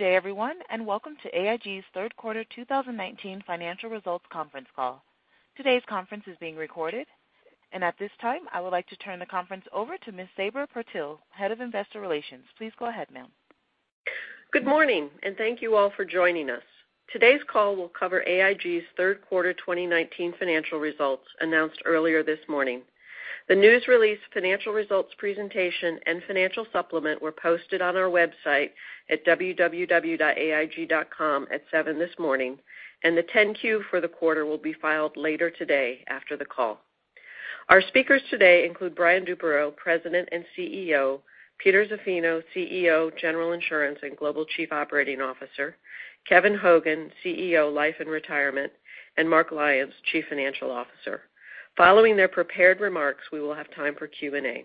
Good day everyone. Welcome to AIG's third quarter 2019 financial results conference call. Today's conference is being recorded, and at this time, I would like to turn the conference over to Ms. Sabra Purtill, Head of Investor Relations. Please go ahead, ma'am. Good morning. Thank you all for joining us. Today's call will cover AIG's third quarter 2019 financial results announced earlier this morning. The news release financial results presentation and financial supplement were posted on our website at www.aig.com at 7:00 A.M. this morning, and the 10-Q for the quarter will be filed later today after the call. Our speakers today include Brian Duperreault, President and CEO; Peter Zaffino, CEO, General Insurance and Global Chief Operating Officer; Kevin Hogan, CEO, Life & Retirement; and Mark Lyons, Chief Financial Officer. Following their prepared remarks, we will have time for Q&A.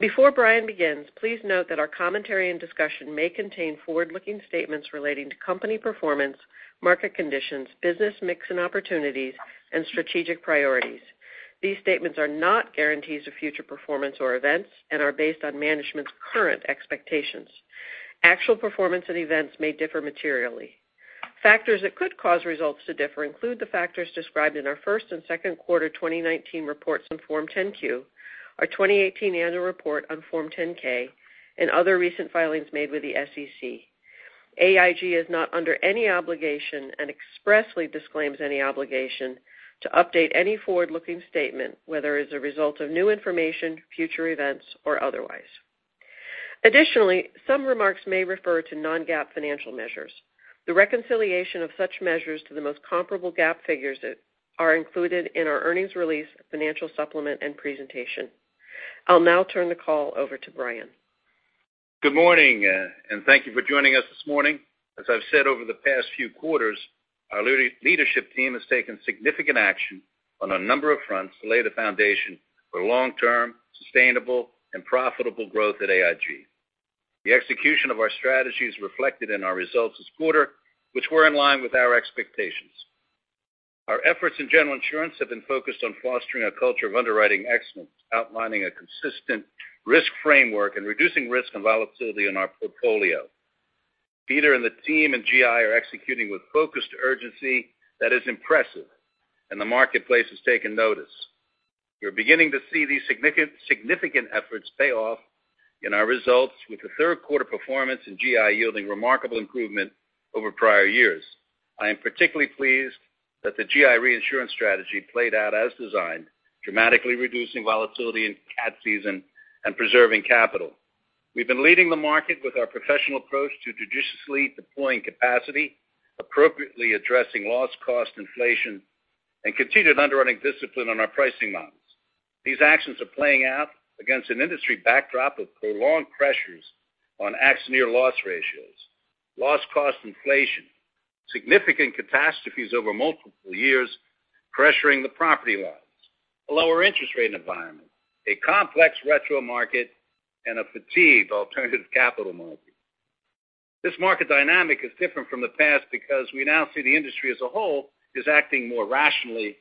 Before Brian begins, please note that our commentary and discussion may contain forward-looking statements relating to company performance, market conditions, business mix and opportunities, and strategic priorities. These statements are not guarantees of future performance or events and are based on management's current expectations. Actual performance and events may differ materially. Factors that could cause results to differ include the factors described in our first and second quarter 2019 reports on Form 10-Q, our 2018 annual report on Form 10-K, and other recent filings made with the SEC. AIG is not under any obligation and expressly disclaims any obligation to update any forward-looking statement, whether as a result of new information, future events, or otherwise. Additionally, some remarks may refer to non-GAAP financial measures. The reconciliation of such measures to the most comparable GAAP figures are included in our earnings release, financial supplement, and presentation. I'll now turn the call over to Brian. Good morning. Thank you for joining us this morning. As I've said over the past few quarters, our leadership team has taken significant action on a number of fronts to lay the foundation for long-term, sustainable, and profitable growth at AIG. The execution of our strategy is reflected in our results this quarter, which were in line with our expectations. Our efforts in General Insurance have been focused on fostering a culture of underwriting excellence, outlining a consistent risk framework, and reducing risk and volatility in our portfolio. Peter and the team in GI are executing with focused urgency that is impressive, and the marketplace has taken notice. We are beginning to see these significant efforts pay off in our results with the third quarter performance in GI yielding remarkable improvement over prior years. I am particularly pleased that the GI reinsurance strategy played out as designed, dramatically reducing volatility in cat season and preserving capital. We've been leading the market with our professional approach to judiciously deploying capacity, appropriately addressing loss cost inflation, and continued underwriting discipline on our pricing models. These actions are playing out against an industry backdrop of prolonged pressures on accident year loss ratios, loss cost inflation, significant catastrophes over multiple years pressuring the property lines, a lower interest rate environment, a complex retro market, and a fatigued alternative capital market. This market dynamic is different from the past because we now see the industry as a whole is acting more rationally,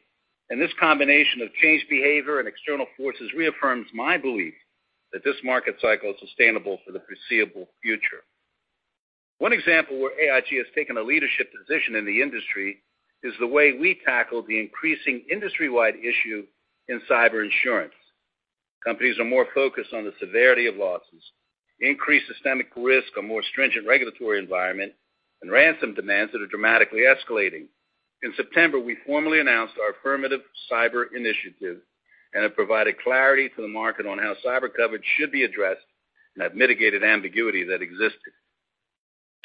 this combination of changed behavior and external forces reaffirms my belief that this market cycle is sustainable for the foreseeable future. One example where AIG has taken a leadership position in the industry is the way we tackle the increasing industry-wide issue in cyber insurance. Companies are more focused on the severity of losses, increased systemic risk, a more stringent regulatory environment, and ransom demands that are dramatically escalating. In September, we formally announced our Affirmative Cyber Initiative and have provided clarity to the market on how cyber coverage should be addressed and have mitigated ambiguity that existed.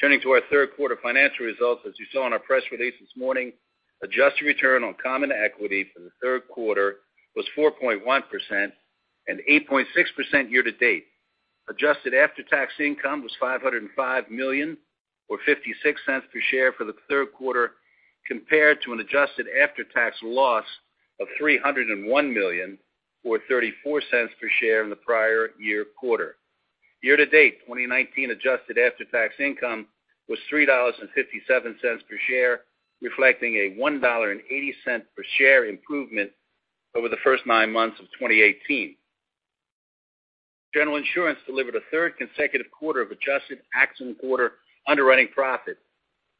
Turning to our third quarter financial results, as you saw in our press release this morning, adjusted return on common equity for the third quarter was 4.1% and 8.6% year to date. Adjusted after-tax income was $505 million, or $0.56 per share for the third quarter, compared to an adjusted after-tax loss of $301 million or $0.34 per share in the prior year quarter. Year to date 2019 adjusted after-tax income was $3.57 per share, reflecting a $1.80 per share improvement over the first nine months of 2018. General Insurance delivered a third consecutive quarter of adjusted accident and quarter underwriting profit.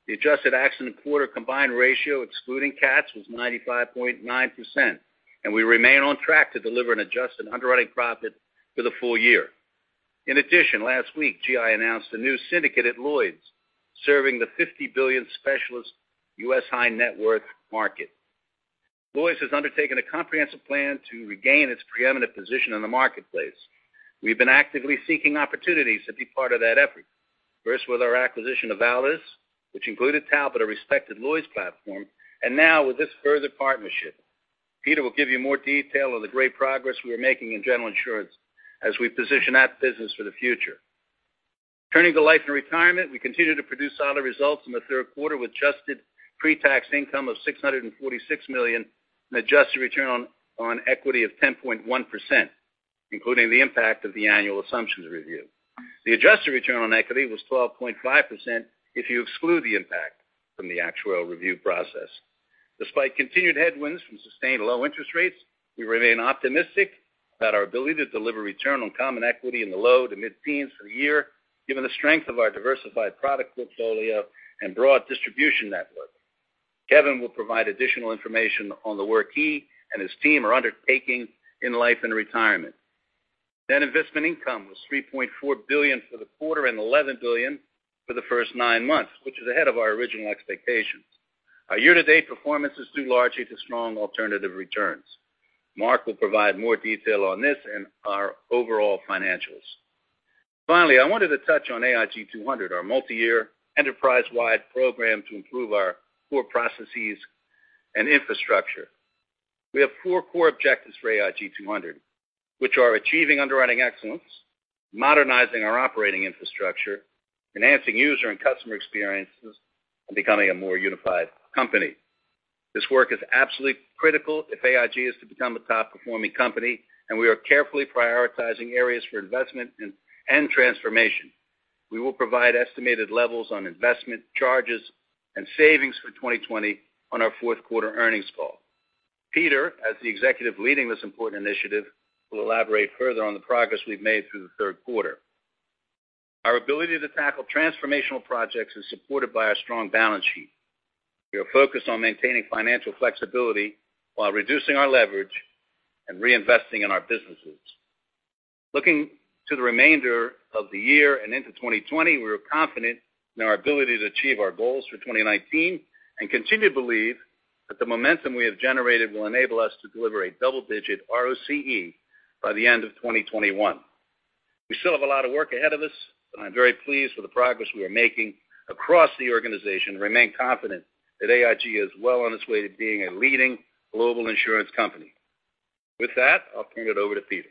The adjusted accident quarter combined ratio excluding cats was 95.9%, and we remain on track to deliver an adjusted underwriting profit for the full year. In addition, last week, GI announced a new syndicate at Lloyd's, serving the $50 billion specialist U.S. high net worth market. Lloyd's has undertaken a comprehensive plan to regain its preeminent position in the marketplace. We've been actively seeking opportunities to be part of that effort. First with our acquisition of Validus, which included Talbot, a respected Lloyd's platform, and now with this further partnership. Peter will give you more detail on the great progress we are making in General Insurance as we position that business for the future. Turning to Life & Retirement, we continue to produce solid results in the third quarter with adjusted pre-tax income of $646 million and adjusted return on equity of 10.1%, including the impact of the annual assumptions review. The adjusted return on equity was 12.5% if you exclude the impact from the actuarial review process. Despite continued headwinds from sustained low interest rates, we remain optimistic about our ability to deliver return on common equity in the low to mid-teens for the year, given the strength of our diversified product portfolio and broad distribution network. Kevin will provide additional information on the work he and his team are undertaking in Life & Retirement. Net investment income was $3.4 billion for the quarter and $11 billion for the first nine months, which is ahead of our original expectations. Our year-to-date performance is due largely to strong alternative returns. Mark will provide more detail on this and our overall financials. Finally, I wanted to touch on AIG 200, our multi-year, enterprise-wide program to improve our core processes and infrastructure. We have four core objectives for AIG 200, which are achieving underwriting excellence, modernizing our operating infrastructure, enhancing user and customer experiences, and becoming a more unified company. This work is absolutely critical if AIG is to become a top-performing company. We are carefully prioritizing areas for investment and transformation. We will provide estimated levels on investment charges and savings for 2020 on our fourth quarter earnings call. Peter, as the executive leading this important initiative, will elaborate further on the progress we've made through the third quarter. Our ability to tackle transformational projects is supported by our strong balance sheet. We are focused on maintaining financial flexibility while reducing our leverage and reinvesting in our businesses. Looking to the remainder of the year and into 2020, we are confident in our ability to achieve our goals for 2019 and continue to believe that the momentum we have generated will enable us to deliver a double-digit ROCE by the end of 2021. We still have a lot of work ahead of us. I'm very pleased with the progress we are making across the organization and remain confident that AIG is well on its way to being a leading global insurance company. With that, I'll turn it over to Peter.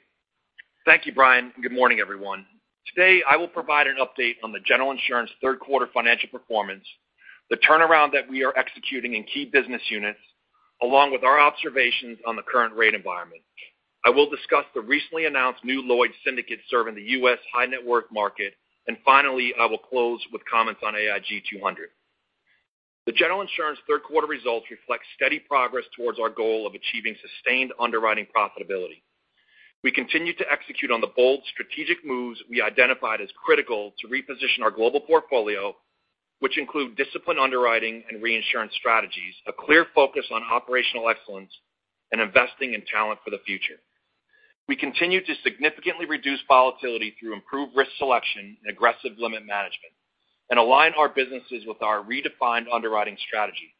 Thank you, Brian. Good morning, everyone. Today, I will provide an update on the General Insurance third quarter financial performance, the turnaround that we are executing in key business units, along with our observations on the current rate environment. I will discuss the recently announced new Lloyd's Syndicate serving the U.S. high-net-worth market. Finally, I will close with comments on AIG 200. The General Insurance third quarter results reflect steady progress towards our goal of achieving sustained underwriting profitability. We continue to execute on the bold strategic moves we identified as critical to reposition our global portfolio, which include disciplined underwriting and reinsurance strategies, a clear focus on operational excellence, and investing in talent for the future. We continue to significantly reduce volatility through improved risk selection and aggressive limit management. Align our businesses with our redefined underwriting strategy.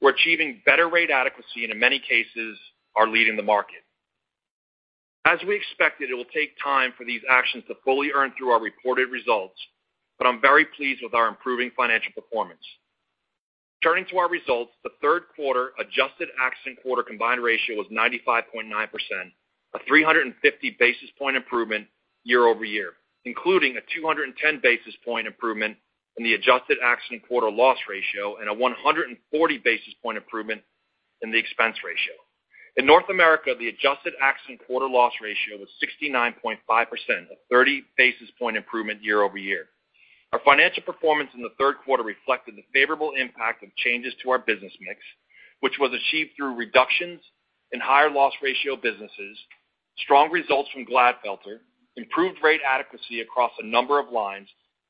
We're achieving better rate adequacy. In many cases, are leading the market. As we expected, it will take time for these actions to fully earn through our reported results. I'm very pleased with our improving financial performance. Turning to our results, the third quarter adjusted accident quarter combined ratio was 95.9%, a 350 basis point improvement year-over-year, including a 210 basis point improvement in the adjusted accident quarter loss ratio and a 140 basis point improvement in the expense ratio. In North America, the adjusted accident quarter loss ratio was 69.5%, a 30 basis point improvement year-over-year. Our financial performance in the third quarter reflected the favorable impact of changes to our business mix, which was achieved through reductions in higher loss ratio businesses, strong results from Glatfelter, improved rate adequacy across a number of lines,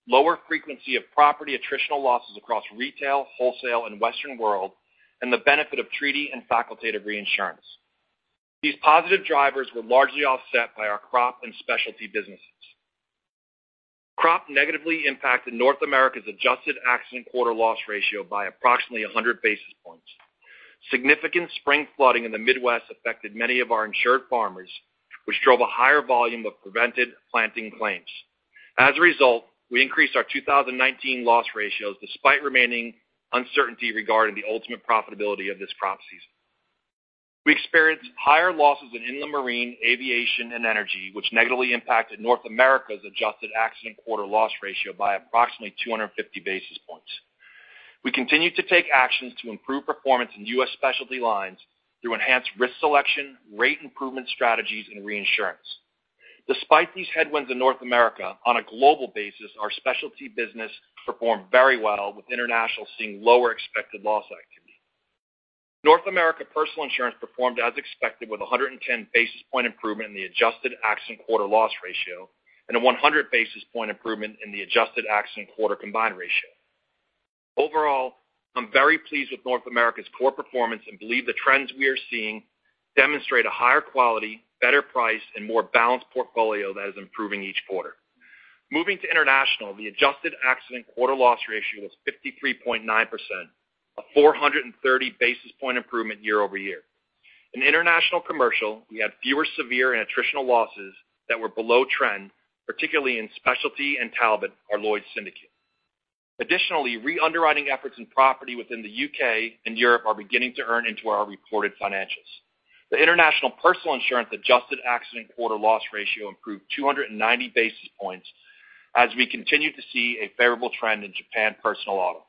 lower frequency of property attritional losses across retail, wholesale, and Western World, and the benefit of treaty and facultative reinsurance. These positive drivers were largely offset by our crop and specialty businesses. Crop negatively impacted North America's adjusted accident quarter loss ratio by approximately 100 basis points. Significant spring flooding in the Midwest affected many of our insured farmers, which drove a higher volume of prevented planting claims. As a result, we increased our 2019 loss ratios despite remaining uncertainty regarding the ultimate profitability of this crop season. We experienced higher losses in marine, aviation, and energy, which negatively impacted North America's adjusted accident quarter loss ratio by approximately 250 basis points. We continue to take actions to improve performance in U.S. specialty lines through enhanced risk selection, rate improvement strategies, and reinsurance. Despite these headwinds in North America, on a global basis, our specialty business performed very well with international seeing lower expected loss activity. North America Personal Insurance performed as expected with 110 basis point improvement in the adjusted accident quarter loss ratio and a 100 basis point improvement in the adjusted accident quarter combined ratio. Overall, I'm very pleased with North America's core performance and believe the trends we are seeing demonstrate a higher quality, better price, and more balanced portfolio that is improving each quarter. Moving to international, the adjusted accident quarter loss ratio was 53.9%, a 430 basis point improvement year over year. In international commercial, we had fewer severe and attritional losses that were below trend, particularly in specialty and Talbot, our Lloyd's Syndicate. Additionally, re-underwriting efforts in property within the U.K. and Europe are beginning to earn into our reported financials. The International Personal Insurance adjusted accident quarter loss ratio improved 290 basis points as we continue to see a favorable trend in Japan personal auto.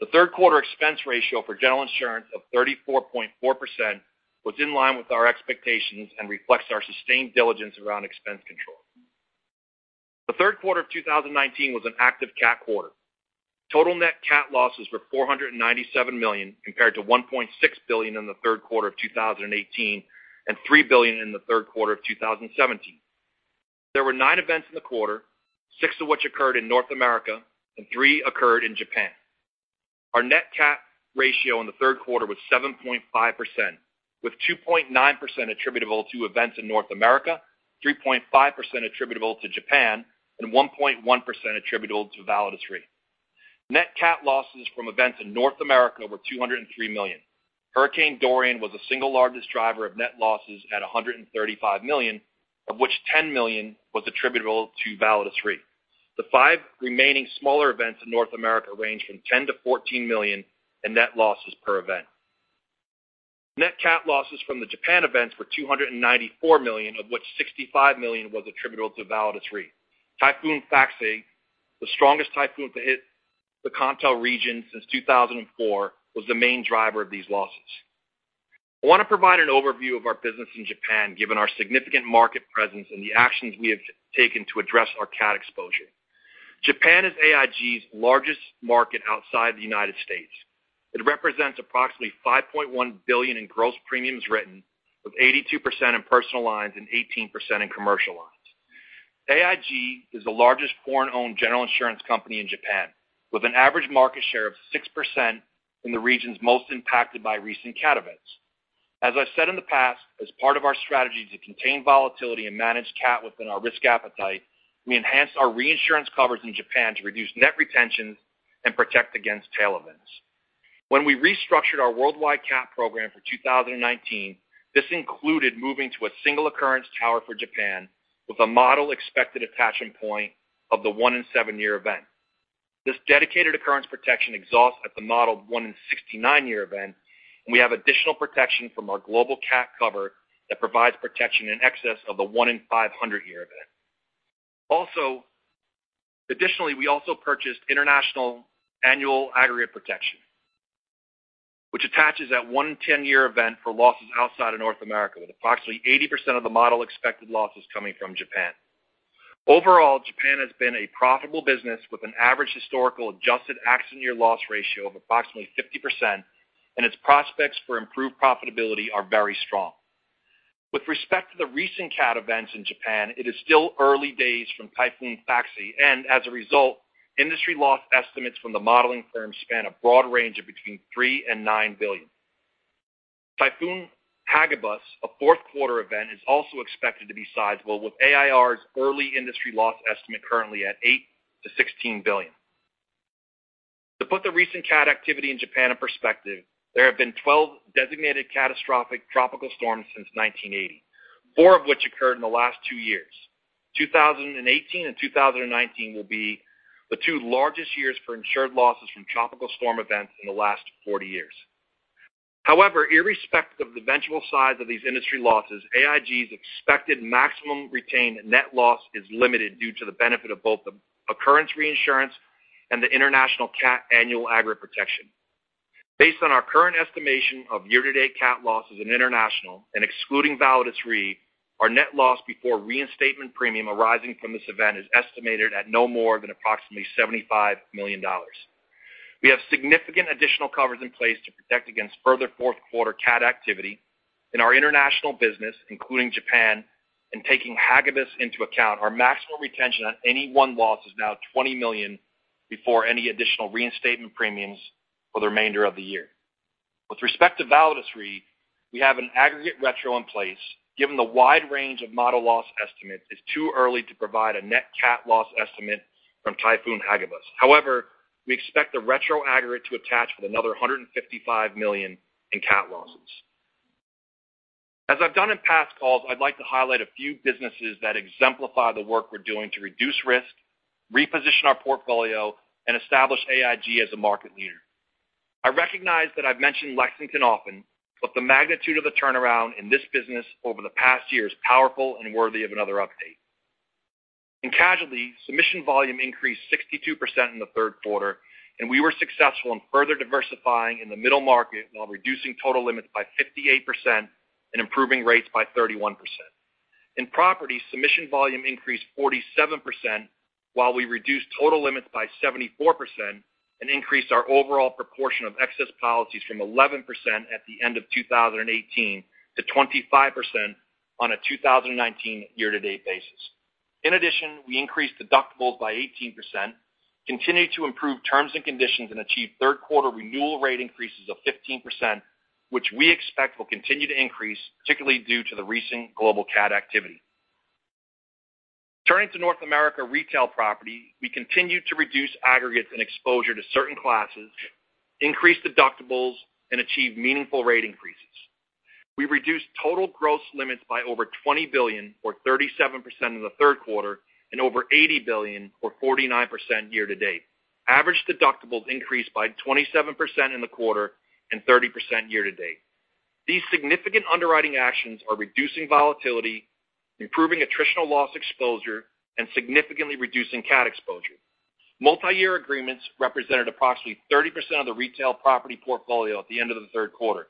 The third quarter expense ratio for General Insurance of 34.4% was in line with our expectations and reflects our sustained diligence around expense control. The third quarter of 2019 was an active cat quarter. Total net cat losses were $497 million compared to $1.6 billion in the third quarter of 2018 and $3 billion in the third quarter of 2017. There were nine events in the quarter, six of which occurred in North America and three occurred in Japan. Our net cat ratio in the third quarter was 7.5%, with 2.9% attributable to events in North America, 3.5% attributable to Japan, and 1.1% attributable to Validus Re. Net cat losses from events in North America were $203 million. Hurricane Dorian was the single largest driver of net losses at $135 million, of which $10 million was attributable to Validus Re. The five remaining smaller events in North America range from $10 million-$14 million in net losses per event. Net cat losses from the Japan events were $294 million, of which $65 million was attributable to Validus Re. Typhoon Faxai, the strongest typhoon to hit the Kantō region since 2004, was the main driver of these losses. I want to provide an overview of our business in Japan, given our significant market presence and the actions we have taken to address our cat exposure. Japan is AIG's largest market outside the U.S. It represents approximately $5.1 billion in gross premiums written, with 82% in personal lines and 18% in commercial lines. AIG is the largest foreign-owned General Insurance company in Japan, with an average market share of 6% in the regions most impacted by recent cat events. As I've said in the past, as part of our strategy to contain volatility and manage cat within our risk appetite, we enhanced our reinsurance coverage in Japan to reduce net retention and protect against tail events. When we restructured our worldwide cat program for 2019, this included moving to a single occurrence tower for Japan with a model expected attachment point of the one in seven year event. This dedicated occurrence protection exhausts at the modeled 1 in 69-year event, and we have additional protection from our global cat cover that provides protection in excess of the 1 in 500-year event. Additionally, we also purchased international annual aggregate protection, which attaches at 1 in 10 year event for losses outside of North America, with approximately 80% of the model expected losses coming from Japan. Overall, Japan has been a profitable business with an average historical adjusted accident year loss ratio of approximately 50%, and its prospects for improved profitability are very strong. With respect to the recent cat events in Japan, it is still early days from Typhoon Faxai, and as a result, industry loss estimates from the modeling firms span a broad range of between $3 billion and $9 billion. Typhoon Hagibis, a fourth quarter event, is also expected to be sizable, with AIR's early industry loss estimate currently at $8 billion to $16 billion. To put the recent cat activity in Japan in perspective, there have been 12 designated catastrophic tropical storms since 1980, four of which occurred in the last two years. 2018 and 2019 will be the two largest years for insured losses from tropical storm events in the last 40 years. However, irrespective of the eventual size of these industry losses, AIG's expected maximum retained net loss is limited due to the benefit of both the occurrence reinsurance and the international cat annual aggregate protection. Based on our current estimation of year-to-date cat losses in international and excluding Validus Re, our net loss before reinstatement premium arising from this event is estimated at no more than approximately $75 million. We have significant additional coverage in place to protect against further fourth quarter cat activity in our international business, including Japan, and taking Hagibis into account, our maximum retention on any one loss is now $20 million before any additional reinstatement premiums for the remainder of the year. With respect to Validus Re, we have an aggregate retro in place. Given the wide range of model loss estimates, it's too early to provide a net cat loss estimate from Typhoon Hagibis. However, we expect the retro aggregate to attach with another $155 million in cat losses. As I've done in past calls, I'd like to highlight a few businesses that exemplify the work we're doing to reduce risk, reposition our portfolio, and establish AIG as a market leader. I recognize that I've mentioned Lexington often, but the magnitude of the turnaround in this business over the past year is powerful and worthy of another update. In casualty, submission volume increased 62% in the third quarter, and we were successful in further diversifying in the middle market while reducing total limits by 58% and improving rates by 31%. In property, submission volume increased 47%, while we reduced total limits by 74% and increased our overall proportion of excess policies from 11% at the end of 2018 to 25% on a 2019 year-to-date basis. In addition, we increased deductibles by 18%, continued to improve terms and conditions, and achieved third quarter renewal rate increases of 15%, which we expect will continue to increase, particularly due to the recent global CAT activity. Turning to North America retail property, we continued to reduce aggregates and exposure to certain classes, increase deductibles, and achieve meaningful rate increases. We reduced total gross limits by over $20 billion, or 37%, in the third quarter and over $80 billion, or 49%, year to date. Average deductibles increased by 27% in the quarter and 30% year to date. These significant underwriting actions are reducing volatility, improving attritional loss exposure, and significantly reducing CAT exposure. Multi-year agreements represented approximately 30% of the retail property portfolio at the end of the third quarter.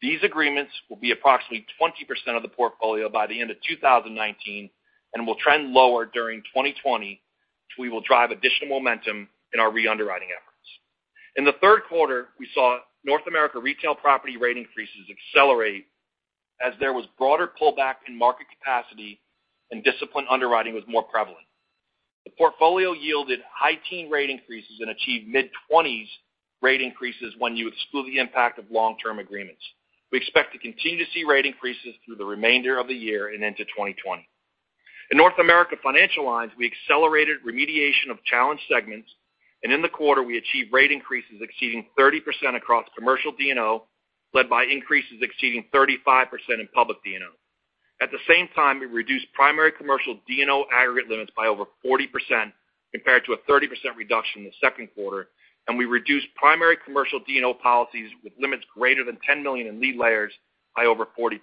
These agreements will be approximately 20% of the portfolio by the end of 2019 and will trend lower during 2020. We will drive additional momentum in our re-underwriting efforts. In the third quarter, we saw North America retail property rate increases accelerate as there was broader pullback in market capacity and disciplined underwriting was more prevalent. The portfolio yielded high teen rate increases and achieved mid-20s rate increases when you exclude the impact of long-term agreements. We expect to continue to see rate increases through the remainder of the year and into 2020. In North America Financial lines, we accelerated remediation of challenged segments, and in the quarter we achieved rate increases exceeding 30% across commercial D&O, led by increases exceeding 35% in public D&O. At the same time, we reduced primary commercial D&O aggregate limits by over 40%, compared to a 30% reduction in the second quarter, and we reduced primary commercial D&O policies with limits greater than $10 million in lead layers by over 40%.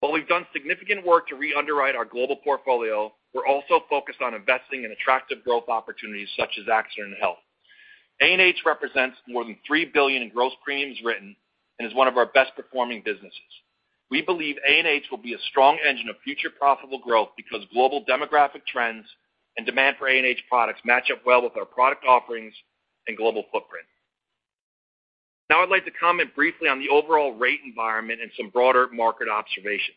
While we've done significant work to re-underwrite our global portfolio, we're also focused on investing in attractive growth opportunities such as Accident & Health. A&H represents more than $3 billion in gross premiums written and is one of our best-performing businesses. We believe A&H will be a strong engine of future profitable growth because global demographic trends and demand for A&H products match up well with our product offerings and global footprint. Now I'd like to comment briefly on the overall rate environment and some broader market observations.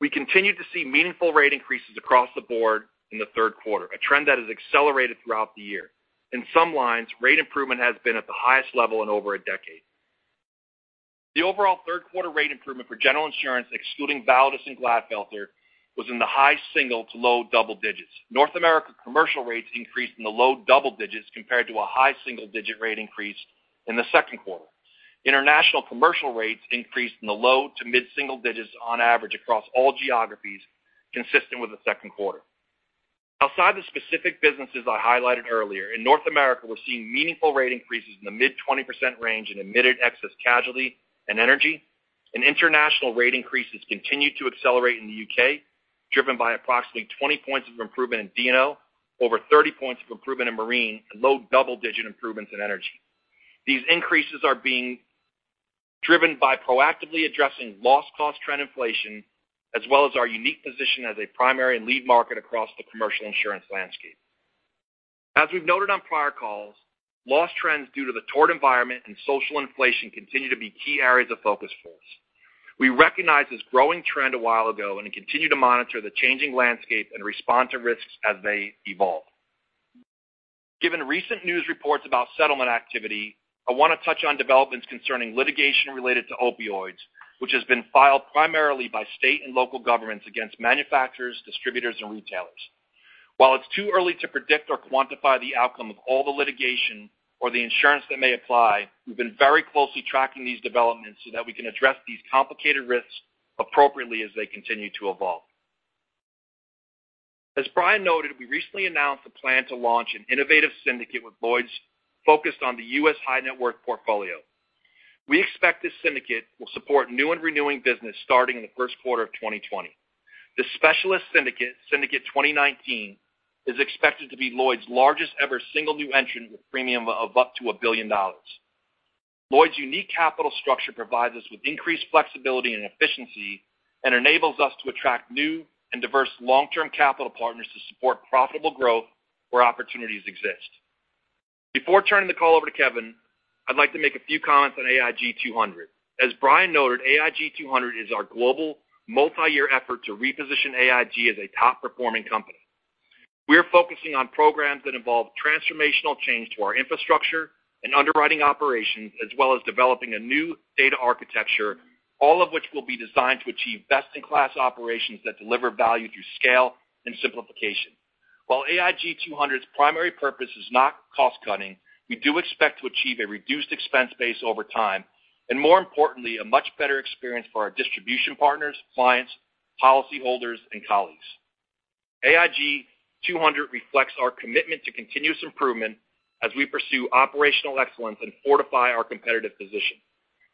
We continued to see meaningful rate increases across the board in the third quarter, a trend that has accelerated throughout the year. In some lines, rate improvement has been at the highest level in over a decade. The overall third quarter rate improvement for General Insurance, excluding Validus and Glatfelter, was in the high single to low double digits. North America commercial rates increased in the low double digits compared to a high single-digit rate increase in the second quarter. International commercial rates increased in the low to mid-single digits on average across all geographies, consistent with the second quarter. Outside the specific businesses I highlighted earlier, in North America, we're seeing meaningful rate increases in the mid-20% range in admitted excess casualty and energy. International rate increases continued to accelerate in the U.K., driven by approximately 20 points of improvement in D&O, over 30 points of improvement in marine, and low double-digit improvements in energy. These increases are being driven by proactively addressing loss cost trend inflation, as well as our unique position as a primary and lead market across the commercial insurance landscape. As we've noted on prior calls, loss trends due to the tort environment and social inflation continue to be key areas of focus for us. We recognized this growing trend a while ago and continue to monitor the changing landscape and respond to risks as they evolve. Given recent news reports about settlement activity, I want to touch on developments concerning litigation related to opioids, which has been filed primarily by state and local governments against manufacturers, distributors, and retailers. While it's too early to predict or quantify the outcome of all the litigation or the insurance that may apply, we've been very closely tracking these developments so that we can address these complicated risks appropriately as they continue to evolve. As Brian noted, we recently announced a plan to launch an innovative syndicate with Lloyd's focused on the U.S. high-net-worth portfolio. We expect this syndicate will support new and renewing business starting in the first quarter of 2020. This specialist syndicate, Syndicate 2019, is expected to be Lloyd's largest ever single new entrant with premium of up to $1 billion. Lloyd's unique capital structure provides us with increased flexibility and efficiency and enables us to attract new and diverse long-term capital partners to support profitable growth where opportunities exist. Before turning the call over to Kevin, I'd like to make a few comments on AIG 200. As Brian noted, AIG 200 is our global multi-year effort to reposition AIG as a top-performing company. We're focusing on programs that involve transformational change to our infrastructure and underwriting operations, as well as developing a new data architecture, all of which will be designed to achieve best-in-class operations that deliver value through scale and simplification. While AIG 200's primary purpose is not cost-cutting, we do expect to achieve a reduced expense base over time, and more importantly, a much better experience for our distribution partners, clients, policyholders, and colleagues. AIG 200 reflects our commitment to continuous improvement as we pursue operational excellence and fortify our competitive position.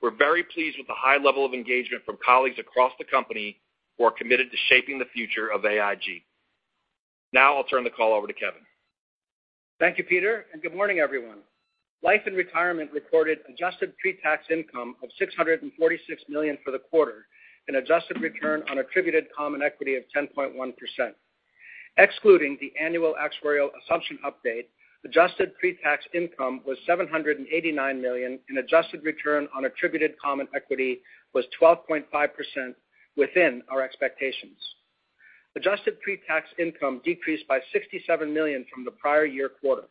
We're very pleased with the high level of engagement from colleagues across the company who are committed to shaping the future of AIG. Now I'll turn the call over to Kevin. Thank you, Peter, and good morning, everyone. Life & Retirement recorded adjusted pre-tax income of $646 million for the quarter, an adjusted return on attributed common equity of 10.1%. Excluding the annual actuarial assumption update, adjusted pre-tax income was $789 million, and adjusted return on attributed common equity was 12.5%, within our expectations. Adjusted pre-tax income decreased by $67 million from the prior year quarter.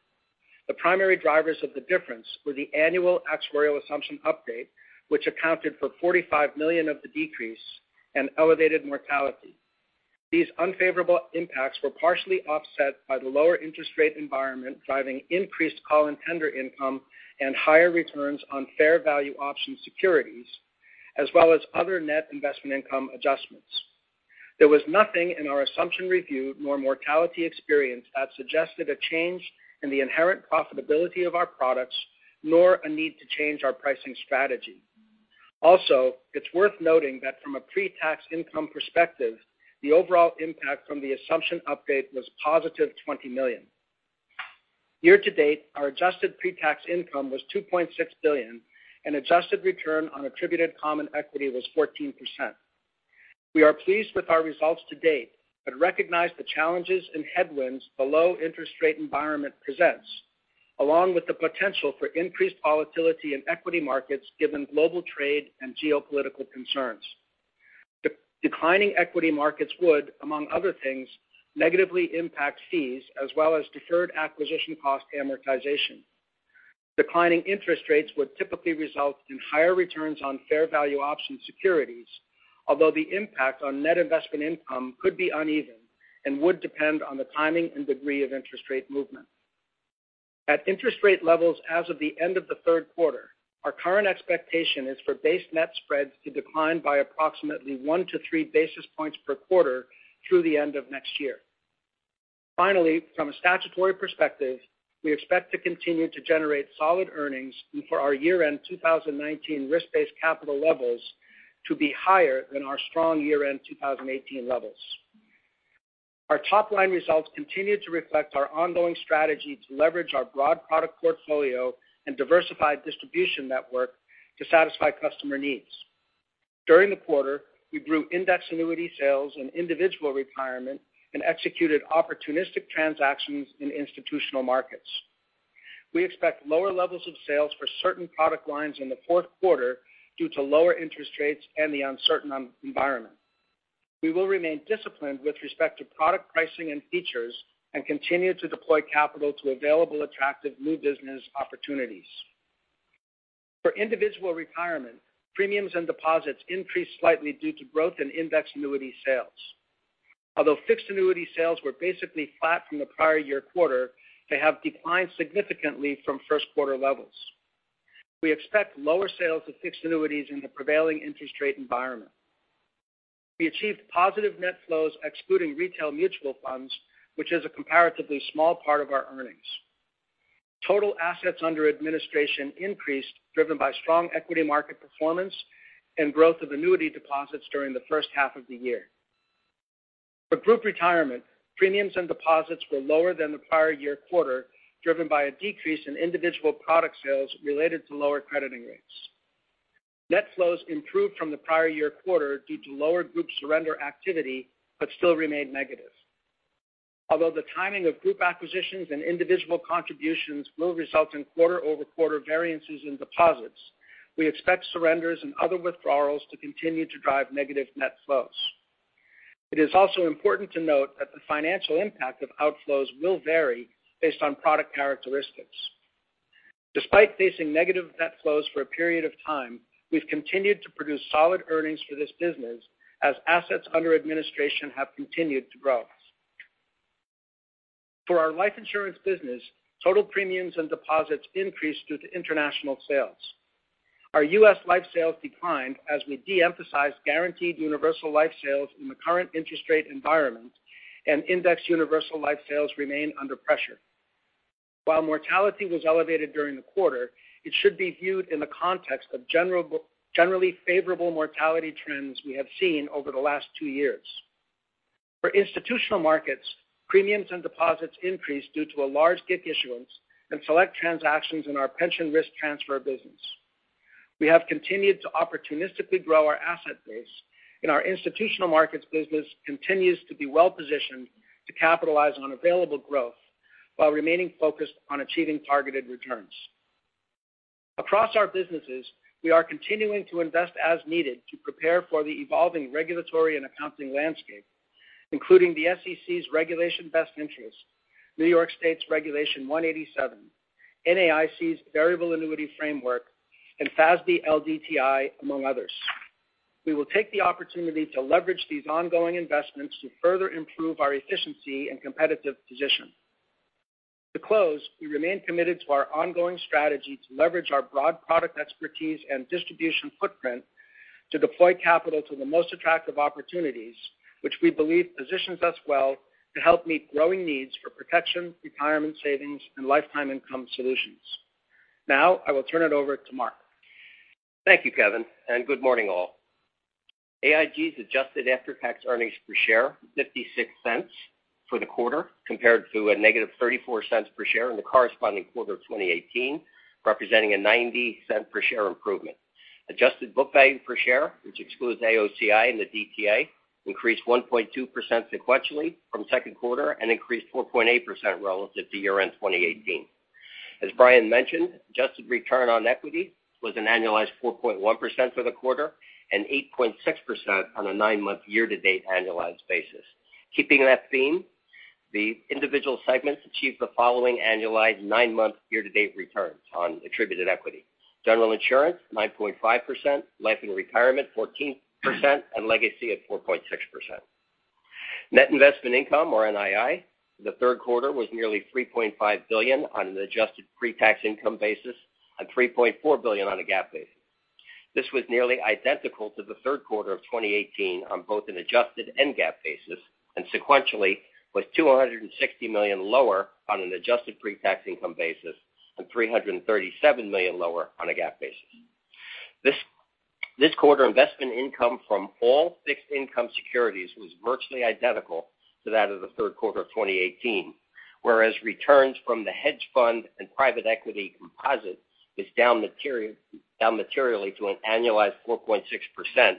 The primary drivers of the difference were the annual actuarial assumption update, which accounted for $45 million of the decrease, and elevated mortality. These unfavorable impacts were partially offset by the lower interest rate environment, driving increased call and tender income and higher returns on fair value option securities, as well as other net investment income adjustments. There was nothing in our assumption review nor mortality experience that suggested a change in the inherent profitability of our products, nor a need to change our pricing strategy. It's worth noting that from a pre-tax income perspective, the overall impact from the assumption update was positive $20 million. Year-to-date, our adjusted pre-tax income was $2.6 billion, and adjusted return on attributed common equity was 14%. We are pleased with our results to date, but recognize the challenges and headwinds the low interest rate environment presents, along with the potential for increased volatility in equity markets given global trade and geopolitical concerns. Declining equity markets would, among other things, negatively impact fees as well as deferred acquisition cost amortization. Declining interest rates would typically result in higher returns on fair value option securities, although the impact on net investment income could be uneven and would depend on the timing and degree of interest rate movement. At interest rate levels as of the end of the third quarter, our current expectation is for base net spreads to decline by approximately 1-3 basis points per quarter through the end of next year. From a statutory perspective, we expect to continue to generate solid earnings and for our year-end 2019 risk-based capital levels to be higher than our strong year-end 2018 levels. Our top-line results continue to reflect our ongoing strategy to leverage our broad product portfolio and diversified distribution network to satisfy customer needs. During the quarter, we grew index annuity sales and Individual Retirement and executed opportunistic transactions in institutional markets. We expect lower levels of sales for certain product lines in the fourth quarter due to lower interest rates and the uncertain environment. We will remain disciplined with respect to product pricing and features and continue to deploy capital to available attractive new business opportunities. For Individual Retirement, premiums and deposits increased slightly due to growth in index annuity sales. Although fixed annuity sales were basically flat from the prior year quarter, they have declined significantly from first quarter levels. We expect lower sales of fixed annuities in the prevailing interest rate environment. We achieved positive net flows excluding retail mutual funds, which is a comparatively small part of our earnings. Total assets under administration increased, driven by strong equity market performance and growth of annuity deposits during the first half of the year. For Group Retirement, premiums and deposits were lower than the prior-year quarter, driven by a decrease in individual product sales related to lower crediting rates. Net flows improved from the prior-year quarter due to lower group surrender activity, but still remained negative. Although the timing of group acquisitions and individual contributions will result in quarter-over-quarter variances in deposits, we expect surrenders and other withdrawals to continue to drive negative net flows. It is also important to note that the financial impact of outflows will vary based on product characteristics. Despite facing negative net flows for a period of time, we've continued to produce solid earnings for this business as assets under administration have continued to grow. For our life insurance business, total premiums and deposits increased due to international sales. Our U.S. life sales declined as we de-emphasized guaranteed universal life sales in the current interest rate environment and index universal life sales remain under pressure. While mortality was elevated during the quarter, it should be viewed in the context of generally favorable mortality trends we have seen over the last two years. For institutional markets, premiums and deposits increased due to a large GIC issuance and select transactions in our pension risk transfer business. We have continued to opportunistically grow our asset base, and our institutional markets business continues to be well-positioned to capitalize on available growth while remaining focused on achieving targeted returns. Across our businesses, we are continuing to invest as needed to prepare for the evolving regulatory and accounting landscape, including the SEC's Regulation Best Interest, New York State's Regulation 187, NAIC's variable annuity framework, and FASB LDTI, among others. We will take the opportunity to leverage these ongoing investments to further improve our efficiency and competitive position. To close, we remain committed to our ongoing strategy to leverage our broad product expertise and distribution footprint to deploy capital to the most attractive opportunities, which we believe positions us well to help meet growing needs for protection, retirement savings, and lifetime income solutions. Now, I will turn it over to Mark. Thank you, Kevin, and good morning, all. AIG's adjusted after-tax earnings per share, $0.56 for the quarter, compared to a negative $0.34 per share in the corresponding quarter of 2018, representing a $0.90 per share improvement. Adjusted book value per share, which excludes AOCI and the DTA, increased 1.2% sequentially from second quarter and increased 4.8% relative to year-end 2018. As Brian mentioned, adjusted return on equity was an annualized 4.1% for the quarter and 8.6% on a nine-month year-to-date annualized basis. Keeping to that theme, the individual segments achieved the following annualized nine-month year-to-date returns on attributed equity. General Insurance, 9.5%, Life & Retirement, 14%, and Legacy at 4.6%. Net investment income, or NII, the third quarter was nearly $3.5 billion on an adjusted pre-tax income basis, and $3.4 billion on a GAAP basis. This was nearly identical to the third quarter of 2018 on both an adjusted and GAAP basis. Sequentially was $260 million lower on an adjusted pre-tax income basis and $337 million lower on a GAAP basis. This quarter investment income from all fixed income securities was virtually identical to that of the third quarter of 2018, whereas returns from the hedge fund and private equity composite is down materially to an annualized 4.6%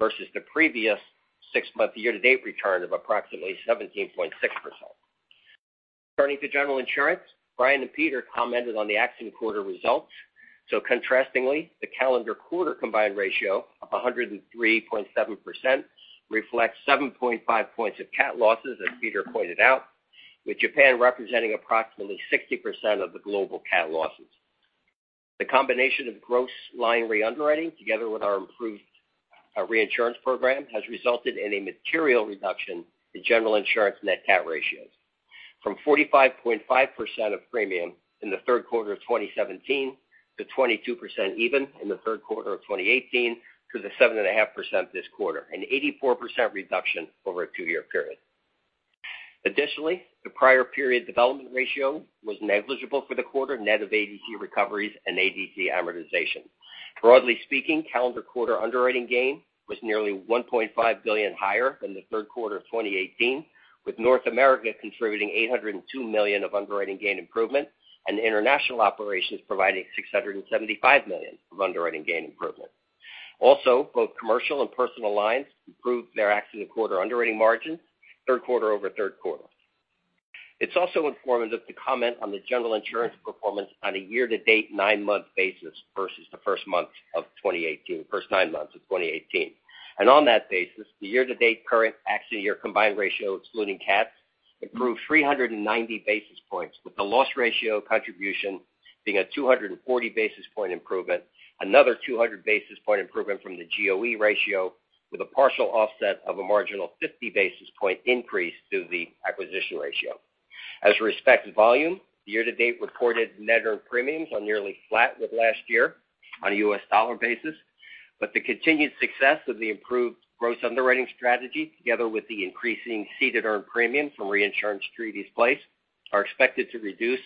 versus the previous six-month year-to-date return of approximately 17.6%. Turning to General Insurance, Brian and Peter commented on the accident quarter results. Contrastingly, the calendar quarter combined ratio of 103.7% reflects 7.5 points of cat losses, as Peter pointed out, with Japan representing approximately 60% of the global cat losses. The combination of gross line reunderwriting together with our improved reinsurance program has resulted in a material reduction in General Insurance net cat ratios. From 45.5% of premium in the third quarter of 2017, to 22% even in the third quarter of 2018, to the 7.5% this quarter, an 84% reduction over a two-year period. Additionally, the prior period development ratio was negligible for the quarter net of ADC recoveries and ADC amortization. Broadly speaking, calendar quarter underwriting gain was nearly $1.5 billion higher than the third quarter of 2018, with North America contributing $802 million of underwriting gain improvement and the international operations providing $675 million of underwriting gain improvement. Also, both commercial and personal lines improved their accident quarter underwriting margin, third quarter over third quarter. It's also informative to comment on the General Insurance performance on a year-to-date nine-month basis versus the first nine months of 2018. On that basis, the year-to-date current accident year combined ratio excluding cats improved 390 basis points, with the loss ratio contribution being a 240 basis point improvement, another 200 basis point improvement from the GOE ratio, with a partial offset of a marginal 50 basis point increase to the acquisition ratio. As we respect volume, year-to-date reported net earned premiums are nearly flat with last year on a U.S. dollar basis, but the continued success of the improved gross underwriting strategy together with the increasing ceded earned premium from reinsurance treaties placed are expected to reduce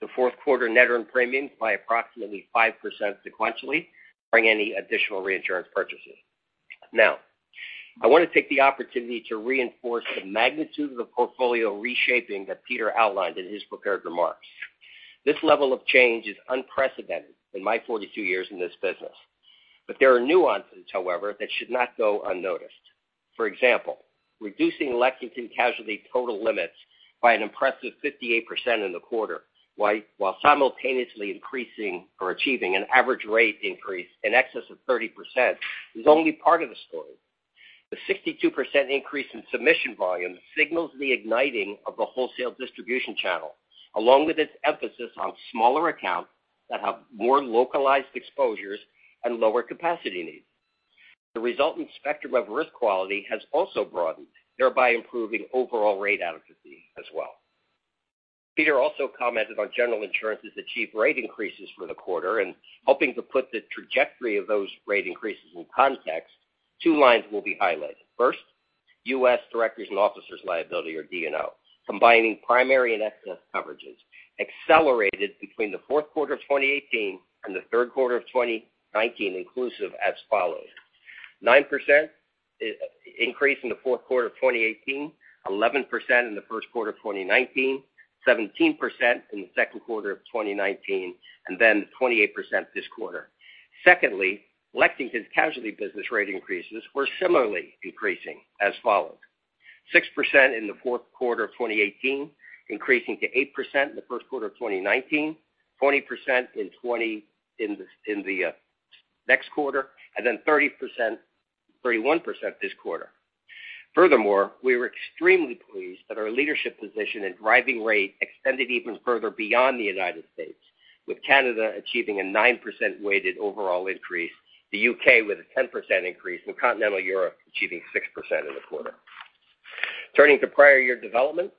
the fourth quarter net earned premiums by approximately 5% sequentially, barring any additional reinsurance purchases. I want to take the opportunity to reinforce the magnitude of the portfolio reshaping that Peter outlined in his prepared remarks. This level of change is unprecedented in my 42 years in this business. There are nuances, however, that should not go unnoticed. For example, reducing Lexington Casualty total limits by an impressive 58% in the quarter, while simultaneously increasing or achieving an average rate increase in excess of 30%, is only part of the story. The 62% increase in submission volume signals the igniting of the wholesale distribution channel, along with its emphasis on smaller accounts that have more localized exposures and lower capacity needs. The resultant spectrum of risk quality has also broadened, thereby improving overall rate adequacy as well. Peter also commented on General Insurance's achieved rate increases for the quarter, and hoping to put the trajectory of those rate increases in context, two lines will be highlighted. First, U.S. directors and officers liability or D&O, combining primary and excess coverages, accelerated between the fourth quarter of 2018 and the third quarter of 2019 inclusive as follows. 9% increase in the fourth quarter of 2018, 11% in the first quarter of 2019, 17% in the second quarter of 2019, 28% this quarter. Lexington's casualty business rate increases were similarly increasing as follows. 6% in the fourth quarter of 2018, increasing to 8% in the first quarter of 2019, 20% in the next quarter, 31% this quarter. We were extremely pleased that our leadership position in driving rate extended even further beyond the U.S., with Canada achieving a 9% weighted overall increase, the U.K. with a 10% increase, and Continental Europe achieving 6% in the quarter. Turning to prior year development,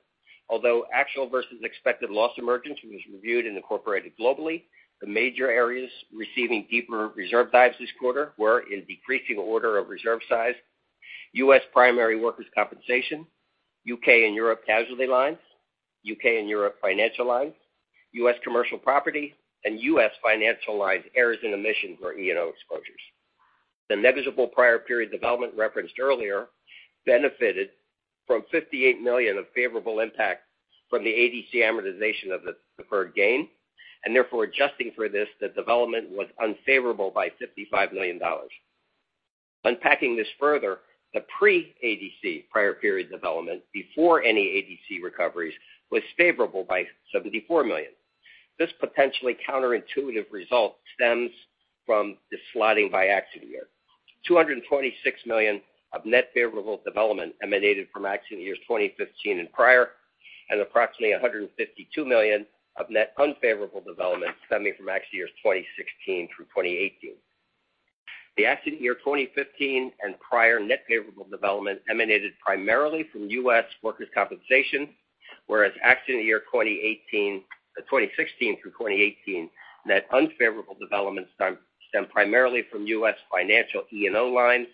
although actual versus expected loss emergence was reviewed and incorporated globally, the major areas receiving deeper reserve dives this quarter were, in decreasing order of reserve size, U.S. primary workers' compensation, U.K. and Europe casualty lines, U.K. and Europe financial lines, U.S. commercial property, and U.S. financial lines errors and omissions or E&O exposures. The negligible prior period development referenced earlier benefited from $58 million of favorable impact from the ADC amortization of the deferred gain. Adjusting for this, the development was unfavorable by $55 million. Unpacking this further, the pre-ADC prior period development before any ADC recoveries was favorable by $74 million. This potentially counterintuitive result stems from the slotting by accident year. $226 million of net favorable development emanated from accident years 2015 and prior. Approximately $152 million of net unfavorable development stemming from accident years 2016 through 2018. The accident year 2015 and prior net favorable development emanated primarily from U.S. workers' compensation, whereas accident year 2016 through 2018, net unfavorable developments stemmed primarily from U.S. financial E&O lines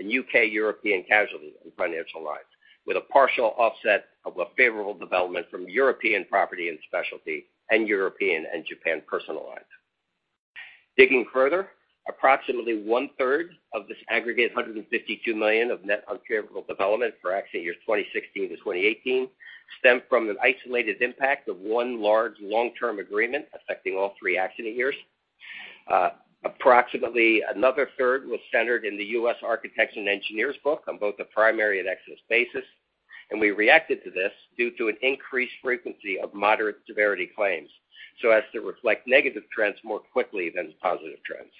and U.K. European casualty and financial lines, with a partial offset of a favorable development from European property and specialty and European and Japan personal lines. Digging further, approximately one-third of this aggregate $152 million of net unfavorable development for accident years 2016 to 2018 stemmed from an isolated impact of one large long-term agreement affecting all three accident years. Approximately another third was centered in the U.S. architects and engineers book on both a primary and excess basis. We reacted to this due to an increased frequency of moderate severity claims so as to reflect negative trends more quickly than the positive trends.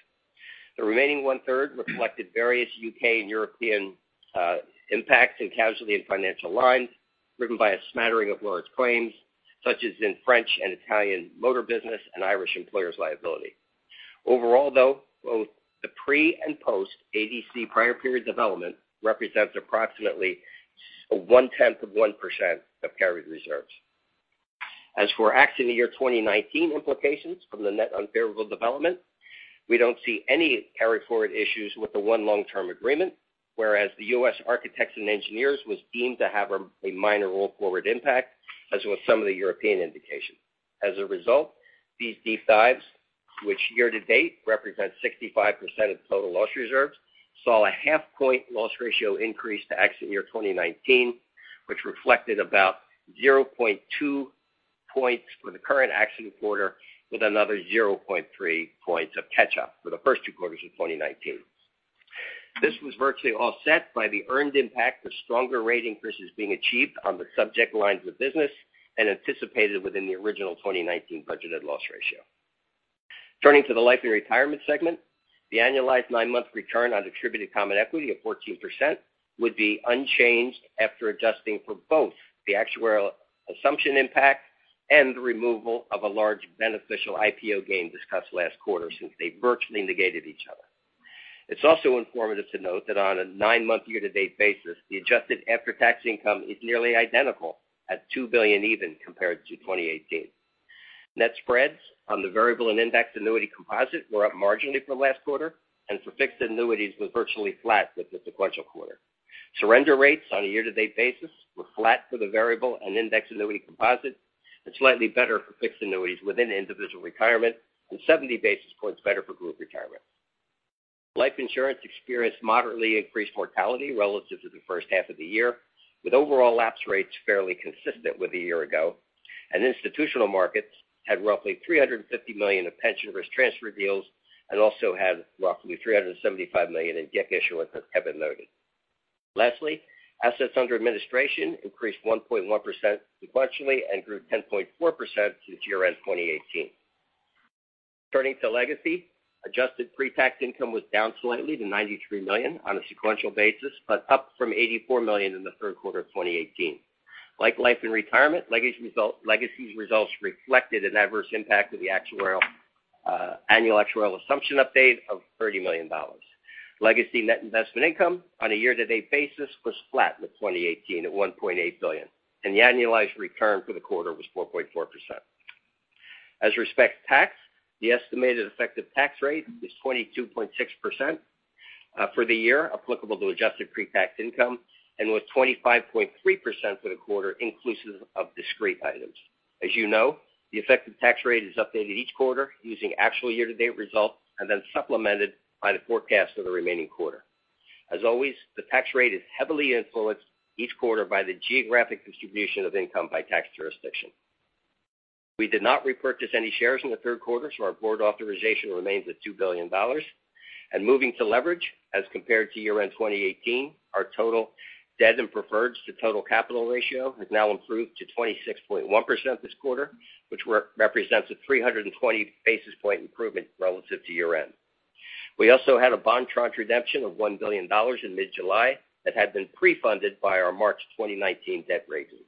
The remaining one-third reflected various U.K. and European impacts in casualty and financial lines, driven by a smattering of large claims, such as in French and Italian motor business and Irish employers' liability. Both the pre- and post-ADC prior period development represents approximately a one-tenth of 1% of carried reserves. As for accident year 2019 implications from the net unfavorable development, we don't see any carry-forward issues with the one long-term agreement, whereas the U.S. architects and engineers was deemed to have a minor roll-forward impact, as with some of the European indications. These deep dives, which year to date represent 65% of the total loss reserves, saw a half-point loss ratio increase to accident year 2019, which reflected about 0.2 points for the current accident quarter, with another 0.3 points of catch-up for the first two quarters of 2019. This was virtually offset by the earned impact of stronger rating versus being achieved on the subject lines of business and anticipated within the original 2019 budgeted loss ratio. Turning to the Life & Retirement segment, the annualized nine-month return on attributed common equity of 14% would be unchanged after adjusting for both the actuarial assumption impact and the removal of a large beneficial IPO gain discussed last quarter, since they virtually negated each other. It's also informative to note that on a nine-month year-to-date basis, the adjusted after-tax income is nearly identical at $2 billion even compared to 2018. Net spreads on the variable and index annuity composite were up marginally from last quarter, and for fixed annuities was virtually flat with the sequential quarter. Surrender rates on a year-to-date basis were flat for the variable and index annuity composite, and slightly better for fixed annuities within individual retirement, and 70 basis points better for group retirement. Life insurance experienced moderately increased mortality relative to the first half of the year, with overall lapse rates fairly consistent with a year ago, and institutional markets had roughly $350 million of pension risk transfer deals and also had roughly $375 million in DIP issuance at heavy loading. Lastly, assets under administration increased 1.1% sequentially and grew 10.4% to year-end 2018. Turning to legacy, adjusted pre-tax income was down slightly to $93 million on a sequential basis, but up from $84 million in the third quarter of 2018. Like Life & Retirement, legacy's results reflected an adverse impact of the annual actuarial assumption update of $30 million. Legacy net investment income on a year-to-date basis was flat with 2018 at $1.8 billion, and the annualized return for the quarter was 4.4%. As respects tax, the estimated effective tax rate is 22.6% for the year applicable to adjusted pre-tax income and was 25.3% for the quarter inclusive of discrete items. As you know, the effective tax rate is updated each quarter using actual year-to-date results and then supplemented by the forecast for the remaining quarter. As always, the tax rate is heavily influenced each quarter by the geographic distribution of income by tax jurisdiction. We did not repurchase any shares in the third quarter, so our board authorization remains at $2 billion. Moving to leverage as compared to year-end 2018, our total debt and preferred to total capital ratio has now improved to 26.1% this quarter, which represents a 320 basis point improvement relative to year-end. We also had a bond tranche redemption of $1 billion in mid-July that had been pre-funded by our March 2019 debt raising.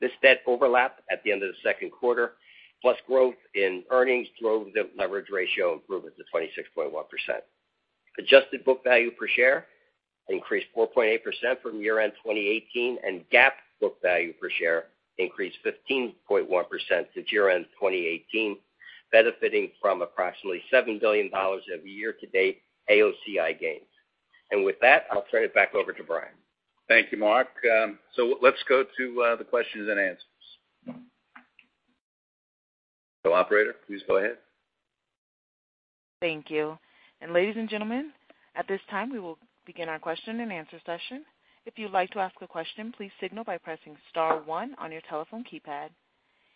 This debt overlap at the end of the second quarter, plus growth in earnings, drove the leverage ratio improvement to 26.1%. Adjusted book value per share increased 4.8% from year-end 2018, and GAAP book value per share increased 15.1% to year-end 2018, benefiting from approximately $7 billion of year-to-date AOCI gains. With that, I'll turn it back over to Brian. Thank you, Mark. Let's go to the questions and answers. Operator, please go ahead. Thank you. Ladies and gentlemen, at this time, we will begin our question-and-answer session. If you'd like to ask a question, please signal by pressing *1 on your telephone keypad.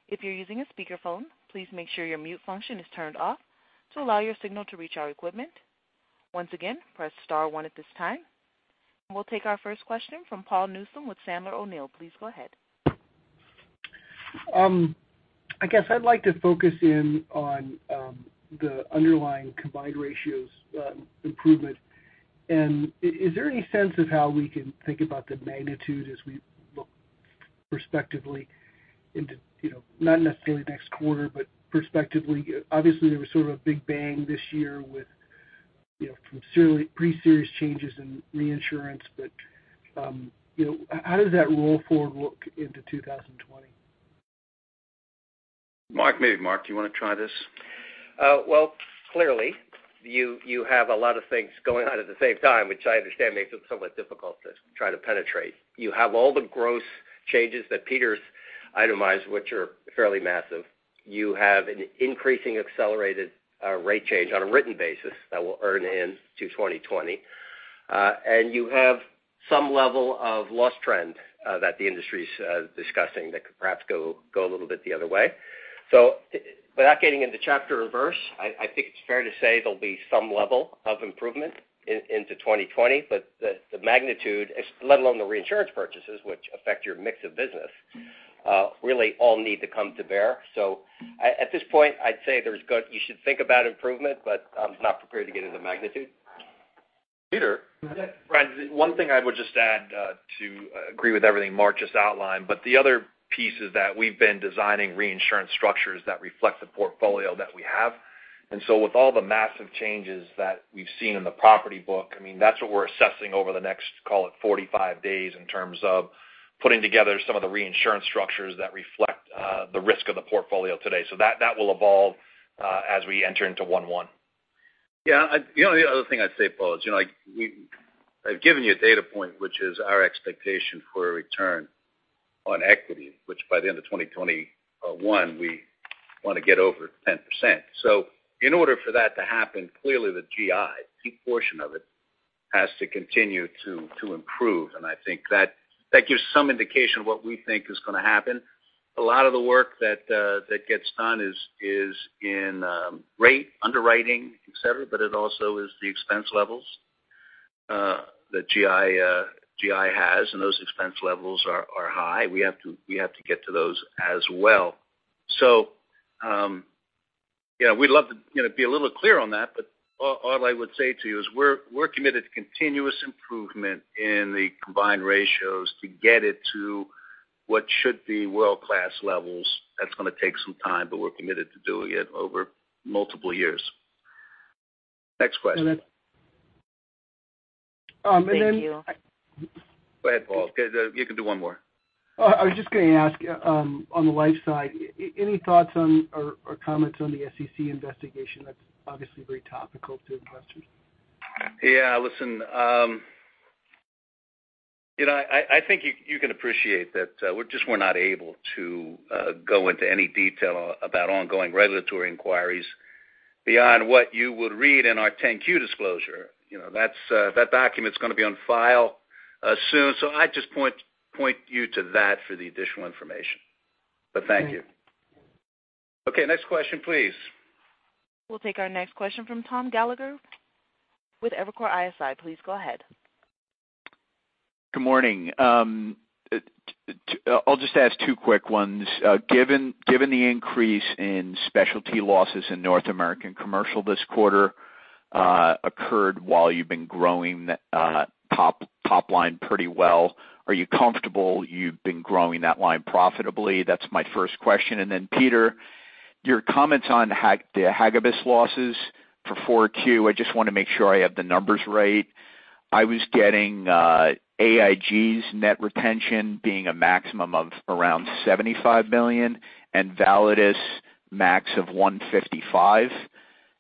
If you're using a speakerphone, please make sure your mute function is turned off to allow your signal to reach our equipment. Once again, press *1 at this time. We'll take our first question from Paul Newsome with Sandler O'Neill. Please go ahead. I guess I'd like to focus in on the underlying combined ratios improvement. Is there any sense of how we can think about the magnitude as we look respectively into, not necessarily next quarter, but prospectively. Obviously, there was sort of a big bang this year with pretty serious changes in reinsurance. How does that roll forward look into 2020? Mark, maybe, Mark, do you want to try this? Well, clearly, you have a lot of things going on at the same time, which I understand makes it somewhat difficult to try to penetrate. You have all the gross changes that Peter's itemized, which are fairly massive. You have an increasing accelerated rate change on a written basis that will earn in to 2020. You have some level of loss trend that the industry's discussing that could perhaps go a little bit the other way. Without getting into chapter or verse, I think it's fair to say there'll be some level of improvement into 2020. The magnitude, let alone the reinsurance purchases, which affect your mix of business, really all need to come to bear. At this point, I'd say you should think about improvement, but I'm not prepared to get into magnitude. Peter? Brian, one thing I would just add to agree with everything Mark just outlined, the other piece is that we've been designing reinsurance structures that reflect the portfolio that we have. With all the massive changes that we've seen in the property book, that's what we're assessing over the next, call it, 45 days in terms of putting together some of the reinsurance structures that reflect the risk of the portfolio today. That will evolve as we enter into one-one. Yeah. The only other thing I'd say, Paul, is I've given you a data point, which is our expectation for a return on equity, which by the end of 2021, we want to get over 10%. In order for that to happen, clearly the GI portion of it has to continue to improve, and I think that gives some indication of what we think is going to happen. A lot of the work that gets done is in rate underwriting, et cetera, it also is the expense levels that GI has, and those expense levels are high. We have to get to those as well. We'd love to be a little clearer on that, all I would say to you is we're committed to continuous improvement in the combined ratios to get it to what should be world-class levels. That's going to take some time, we're committed to doing it over multiple years. Next question. Then- Thank you. Go ahead, Paul, because you can do one more. Oh, I was just going to ask on the life side, any thoughts on or comments on the SEC investigation? That's obviously very topical to investors. Listen, I think you can appreciate that we're not able to go into any detail about ongoing regulatory inquiries beyond what you would read in our 10-Q disclosure. That document's going to be on file soon. I'd just point you to that for the additional information, but thank you. Okay, next question, please. We'll take our next question from Tom Gallagher with Evercore ISI. Please go ahead. Good morning. I'll just ask two quick ones. Given the increase in specialty losses in North American commercial this quarter occurred while you've been growing top line pretty well, are you comfortable you've been growing that line profitably? That's my first question. Peter, your comments on the Hagibis losses for 4Q, I just want to make sure I have the numbers right. I was getting AIG's net retention being a maximum of around $75 million, and Validus max of $155.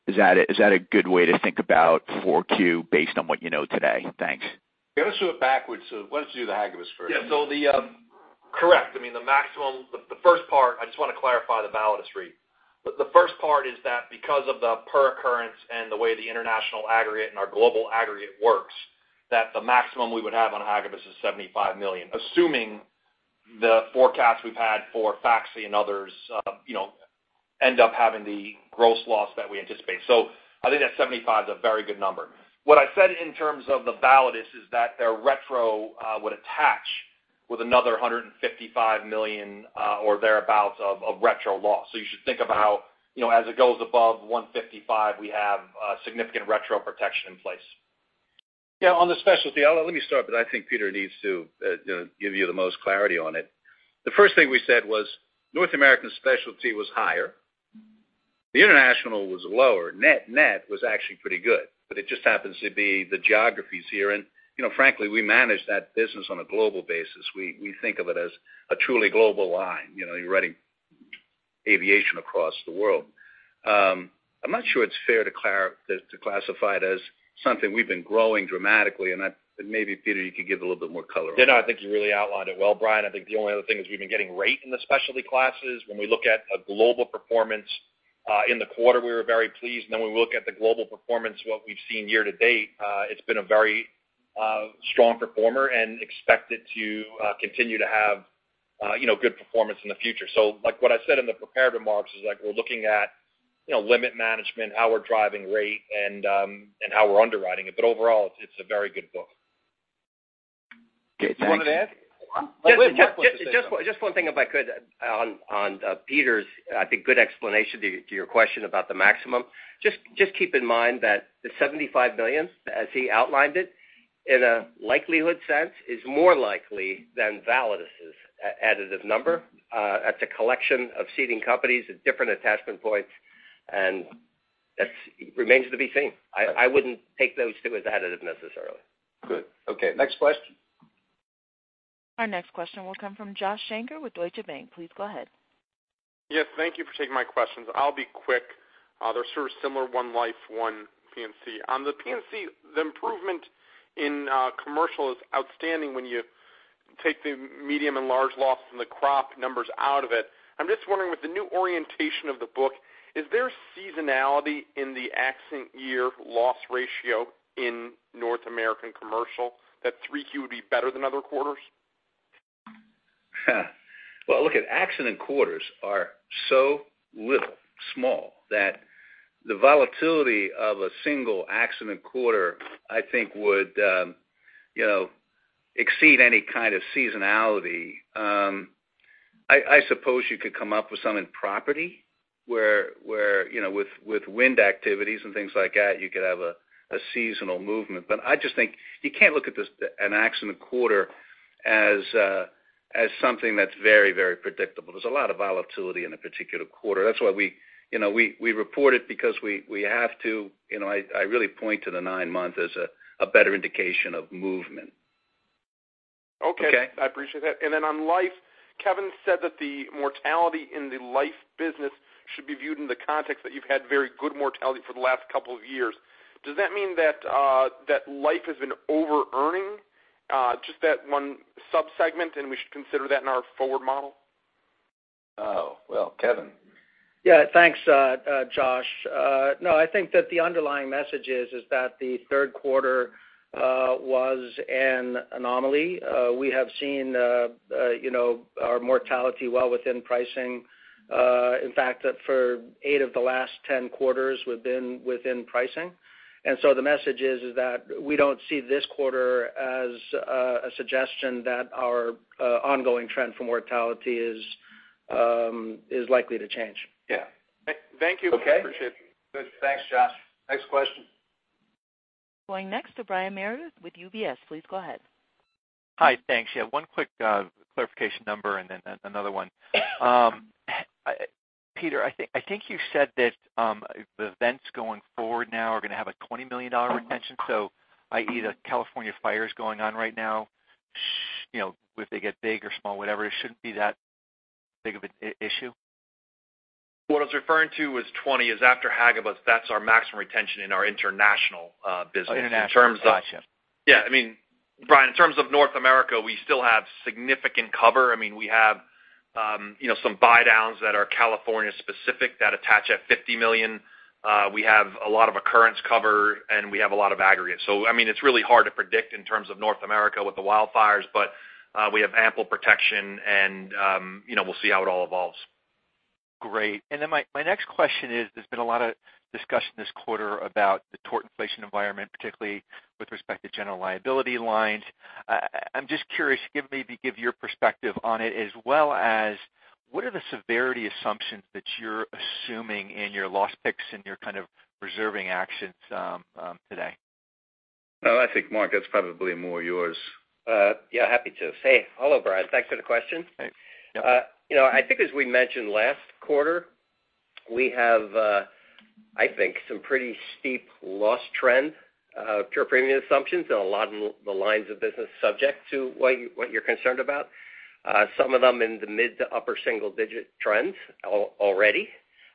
Is that a good way to think about 4Q based on what you know today? Thanks. Going to do it backwards, let's do the Hagibis first. Correct. The first part, I just want to clarify the Validus for you. The first part is that because of the per occurrence and the way the international aggregate and our global aggregate works, that the maximum we would have on Hagibis is $75 million, assuming the forecast we've had for Faxai and others end up having the gross loss that we anticipate. I think that $75 is a very good number. What I said in terms of the Validus is that their retro would attach with another $155 million or thereabouts of retro loss. You should think about as it goes above $155 million, we have significant retro protection in place. On the specialty, let me start, I think Peter needs to give you the most clarity on it. The first thing we said was North American specialty was higher. The international was lower. Net was actually pretty good, it just happens to be the geographies here, frankly, we manage that business on a global basis. We think of it as a truly global line. You're writing aviation across the world. I'm not sure it's fair to classify it as something we've been growing dramatically, maybe Peter, you could give a little bit more color on that. I think you really outlined it well, Brian. I think the only other thing is we've been getting rate in the specialty classes. When we look at a global performance in the quarter, we were very pleased, when we look at the global performance, what we've seen year to date, it's been a very strong performer expect it to continue to have good performance in the future. Like what I said in the prepared remarks is we're looking at limit management, how we're driving rate, and how we're underwriting it. Overall, it's a very good book. Thanks. You wanted to add? Just one thing, if I could, on Peter's, I think, good explanation to your question about the maximum. Just keep in mind that the $75 million, as he outlined it, in a likelihood sense, is more likely than Validus's additive number. That's a collection of ceding companies at different attachment points That remains to be seen. I wouldn't take those two as additive necessarily. Good. Okay. Next question. Our next question will come from Josh Shanker with Deutsche Bank. Please go ahead. Yes, thank you for taking my questions. I'll be quick. They're sort of similar, one Life, one P&C. On the P&C, the improvement in commercial is outstanding when you take the medium and large loss from the crop numbers out of it. I'm just wondering, with the new orientation of the book, is there seasonality in the accident year loss ratio in North American commercial, that 3Q would be better than other quarters? Well, look, accident quarters are so little, small, that the volatility of a single accident quarter, I think would exceed any kind of seasonality. I suppose you could come up with some in property where with wind activities and things like that, you could have a seasonal movement. I just think you can't look at an accident quarter as something that's very predictable. There's a lot of volatility in a particular quarter. That's why we report it because we have to. I really point to the nine months as a better indication of movement. Okay. Okay? I appreciate that. Then on Life, Kevin said that the mortality in the Life business should be viewed in the context that you've had very good mortality for the last couple of years. Does that mean that Life has been over-earning just that one sub-segment, and we should consider that in our forward model? Oh, well, Kevin. Yeah. Thanks, Josh. No, I think that the underlying message is that the third quarter was an anomaly. We have seen our mortality well within pricing. In fact, that for eight of the last 10 quarters we've been within pricing. The message is that we don't see this quarter as a suggestion that our ongoing trend for mortality is likely to change. Yeah. Thank you. Okay. Appreciate it. Good. Thanks, Josh. Next question. Going next to Brian Meredith with UBS. Please go ahead. Hi. Thanks. Yeah, one quick clarification number and then another one. Peter, I think you said that the events going forward now are going to have a $20 million retention, so i.e., the California fires going on right now. If they get big or small, whatever, it shouldn't be that big of an issue? What I was referring to as 20 is after Hagibis, that's our maximum retention in our international business. Oh, international. Gotcha. Yeah. Brian, in terms of North America, we still have significant cover. We have some buydowns that are California specific that attach at $50 million. We have a lot of occurrence cover, and we have a lot of aggregate. It's really hard to predict in terms of North America with the wildfires, but we have ample protection and we'll see how it all evolves. Great. My next question is, there's been a lot of discussion this quarter about the tort inflation environment, particularly with respect to general liability lines. I'm just curious, maybe give your perspective on it as well as what are the severity assumptions that you're assuming in your loss picks and your kind of reserving actions today? I think, Mark, that's probably more yours. Yeah, happy to. Hey. Hello, Brian. Thanks for the question. Thanks. I think as we mentioned last quarter, we have, I think, some pretty steep loss trend, pure premium assumptions in a lot of the lines of business subject to what you're concerned about. Some of them in the mid to upper single-digit trends already.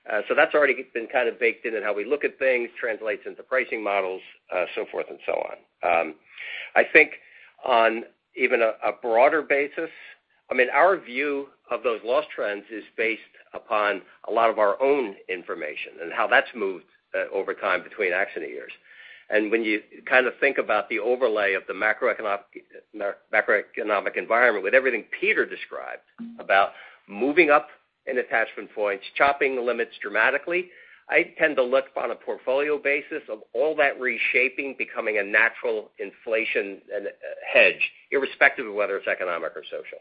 That's already been kind of baked in in how we look at things, translates into pricing models, so forth and so on. I think on even a broader basis, our view of those loss trends is based upon a lot of our own information and how that's moved over time between accident years. When you kind of think about the overlay of the macroeconomic environment with everything Peter described about moving up in attachment points, chopping the limits dramatically, I tend to look on a portfolio basis of all that reshaping becoming a natural inflation hedge, irrespective of whether it's economic or social.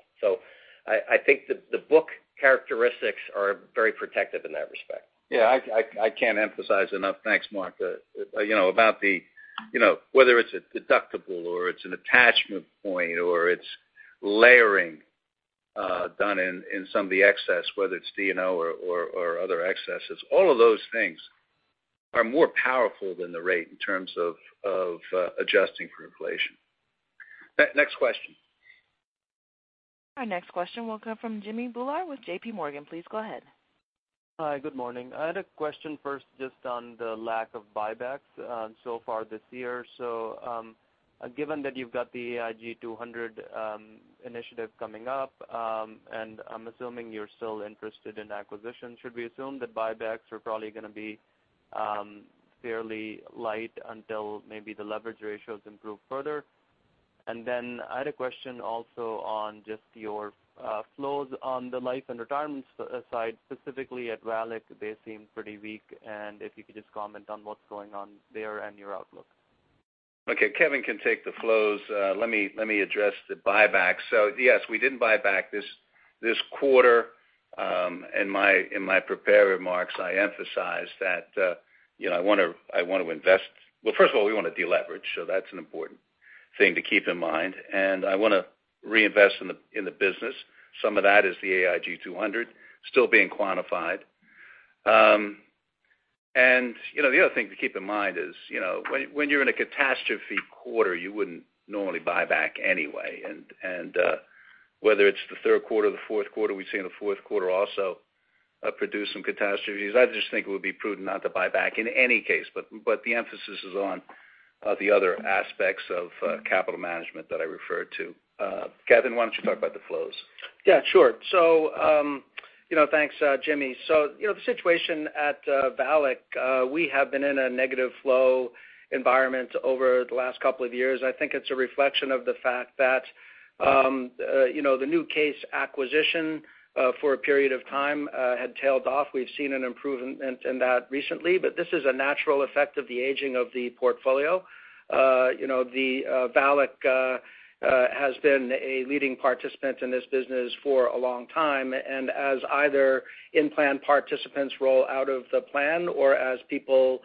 I think the book characteristics are very protective in that respect. Yeah, I can't emphasize enough, thanks, Mark, about whether it's a deductible or it's an attachment point or it's layering done in some of the excess, whether it's D&O or other excesses. All of those things are more powerful than the rate in terms of adjusting for inflation. Next question. Our next question will come from Jimmy Bhullar with J.P. Morgan. Please go ahead. Hi. Good morning. I had a question first just on the lack of buybacks so far this year. Given that you've got the AIG 200 Initiative coming up, and I'm assuming you're still interested in acquisition, should we assume that buybacks are probably going to be fairly light until maybe the leverage ratios improve further? And then I had a question also on just your flows on the Life & Retirement side, specifically at VALIC, they seem pretty weak, and if you could just comment on what's going on there and your outlook. Okay, Kevin can take the flows. Let me address the buyback. Yes, we didn't buy back this quarter. In my prepared remarks, I emphasized that I want to invest Well, first of all, we want to deleverage, so that's an important thing to keep in mind, and I want to reinvest in the business. Some of that is the AIG 200 still being quantified. The other thing to keep in mind is when you're in a catastrophe quarter, you wouldn't normally buy back anyway. Whether it's the third quarter or the fourth quarter, we've seen the fourth quarter also produce some catastrophes. I just think it would be prudent not to buy back in any case. The emphasis is on the other aspects of capital management that I referred to. Kevin, why don't you talk about the flows? Yeah, sure. Thanks, Jimmy. The situation at VALIC, we have been in a negative flow environment over the last couple of years. I think it's a reflection of the fact that the new case acquisition for a period of time had tailed off. We've seen an improvement in that recently, but this is a natural effect of the aging of the portfolio. VALIC has been a leading participant in this business for a long time, and as either in-plan participants roll out of the plan or as people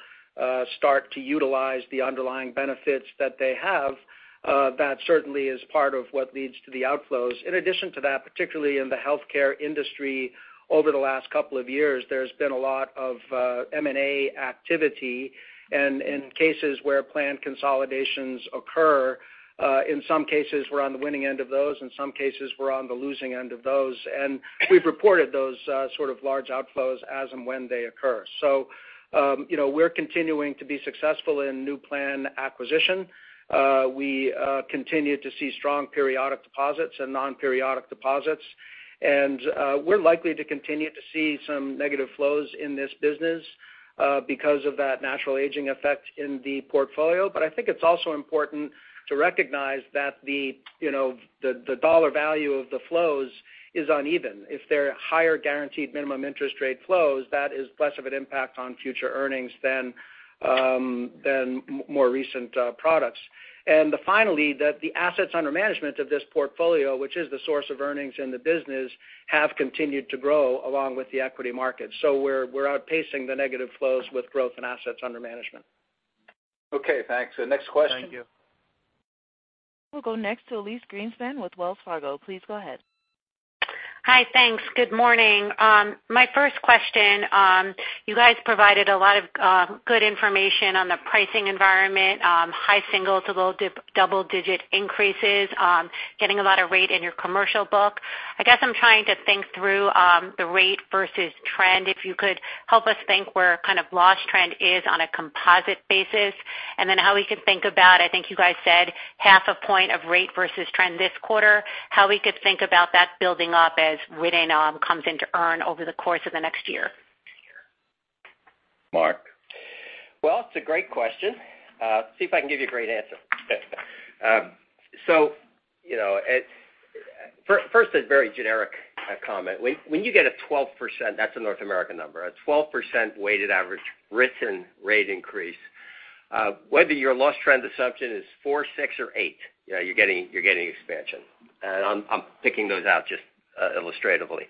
start to utilize the underlying benefits that they have, that certainly is part of what leads to the outflows. In addition to that, particularly in the healthcare industry over the last couple of years, there's been a lot of M&A activity. In cases where plan consolidations occur, in some cases we're on the winning end of those, in some cases, we're on the losing end of those. We've reported those sort of large outflows as and when they occur. We're continuing to be successful in new plan acquisition. We continue to see strong periodic deposits and non-periodic deposits. We're likely to continue to see some negative flows in this business because of that natural aging effect in the portfolio. I think it's also important to recognize that the dollar value of the flows is uneven. If they're higher guaranteed minimum interest rate flows, that is less of an impact on future earnings than more recent products. Finally, that the assets under management of this portfolio, which is the source of earnings in the business, have continued to grow along with the equity market. We're outpacing the negative flows with growth in assets under management. Okay, thanks. Next question. Thank you. We'll go next to Elyse Greenspan with Wells Fargo. Please go ahead. Hi, thanks. Good morning. My first question, you guys provided a lot of good information on the pricing environment, high singles to low double-digit increases, getting a lot of rate in your commercial book. I guess I'm trying to think through the rate versus trend, if you could help us think where kind of loss trend is on a composite basis. How we could think about, I think you guys said half a point of rate versus trend this quarter, how we could think about that building up as written premium comes in to earn over the course of the next year. Mark? Well, it's a great question. See if I can give you a great answer. First, a very generic comment. When you get a 12%, that's a North America number, a 12% weighted average written rate increase, whether your loss trend assumption is four, six or eight, you're getting expansion. I'm picking those out just illustratively.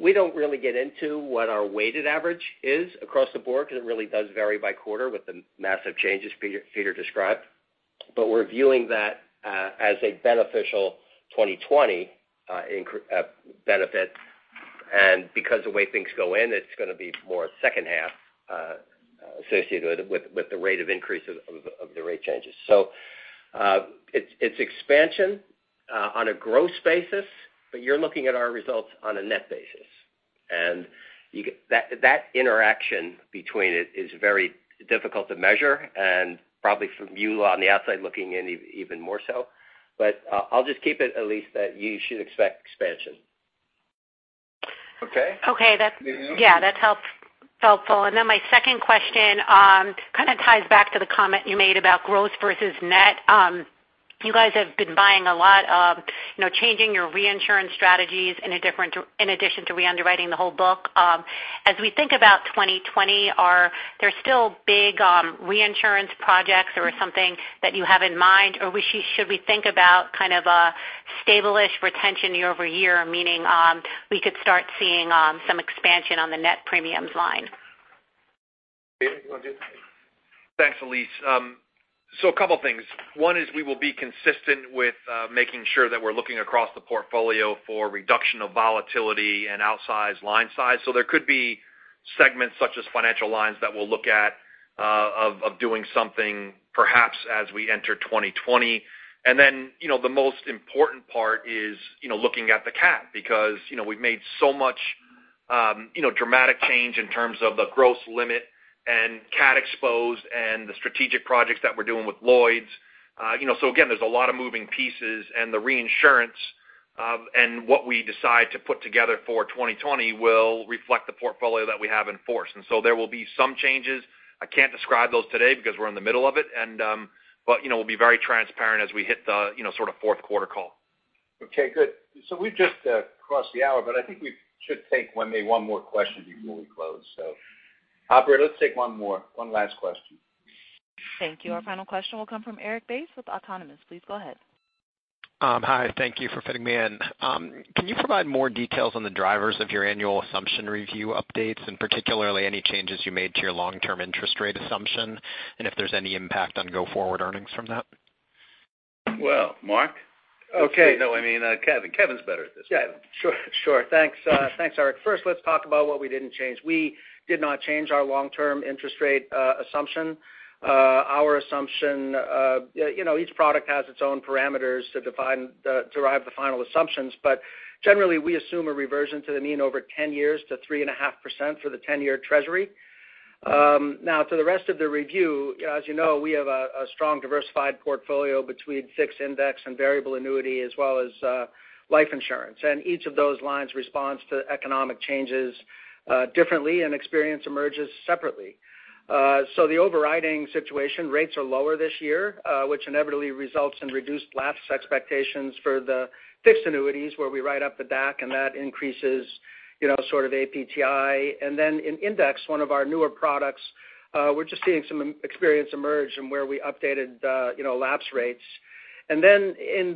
We don't really get into what our weighted average is across the board because it really does vary by quarter with the massive changes Peter described. We're viewing that as a beneficial 2020 benefit. Because the way things go in, it's going to be more second half associated with the rate of increase of the rate changes. It's expansion on a gross basis, you're looking at our results on a net basis. That interaction between it is very difficult to measure, probably from you on the outside looking in even more so. I'll just keep it, Elyse, that you should expect expansion. Okay. Okay. Yeah, that's helpful. My second question kind of ties back to the comment you made about gross versus net. You guys have been buying a lot, changing your reinsurance strategies in addition to re-underwriting the whole book. As we think about 2020, are there still big reinsurance projects or something that you have in mind? Should we think about kind of a stable-ish retention year-over-year, meaning we could start seeing some expansion on the net premiums line? Peter, you want to do it? Thanks, Elyse. A couple things. One is we will be consistent with making sure that we're looking across the portfolio for reduction of volatility and outsize line size. There could be segments such as financial lines that we'll look at of doing something perhaps as we enter 2020. Then the most important part is looking at the cat because we've made so much dramatic change in terms of the gross limit and cat exposed and the strategic projects that we're doing with Lloyd's. Again, there's a lot of moving pieces, and the reinsurance and what we decide to put together for 2020 will reflect the portfolio that we have in force. There will be some changes. I can't describe those today because we're in the middle of it, but we'll be very transparent as we hit the sort of fourth-quarter call. Okay, good. We've just crossed the hour, but I think we should take maybe one more question before we close. Operator, let's take one more, one last question. Thank you. Our final question will come from Erik Bass with Autonomous. Please go ahead. Hi, thank you for fitting me in. Can you provide more details on the drivers of your annual assumption review updates, and particularly any changes you made to your long-term interest rate assumption, and if there's any impact on go-forward earnings from that? Well, Mark? Okay. No, I mean, Kevin. Kevin's better at this. Yeah, sure. Thanks, Erik. First, let's talk about what we didn't change. We did not change our long-term interest rate assumption. Each product has its own parameters to derive the final assumptions. Generally, we assume a reversion to the mean over 10 years to 3.5% for the 10-year treasury. To the rest of the review, as you know, we have a strong diversified portfolio between fixed index and variable annuity, as well as life insurance. Each of those lines responds to economic changes differently, and experience emerges separately. The overriding situation, rates are lower this year, which inevitably results in reduced lapse expectations for the fixed annuities, where we write up the DAC, and that increases sort of APTI. Then in index, one of our newer products, we're just seeing some experience emerge in where we updated lapse rates. In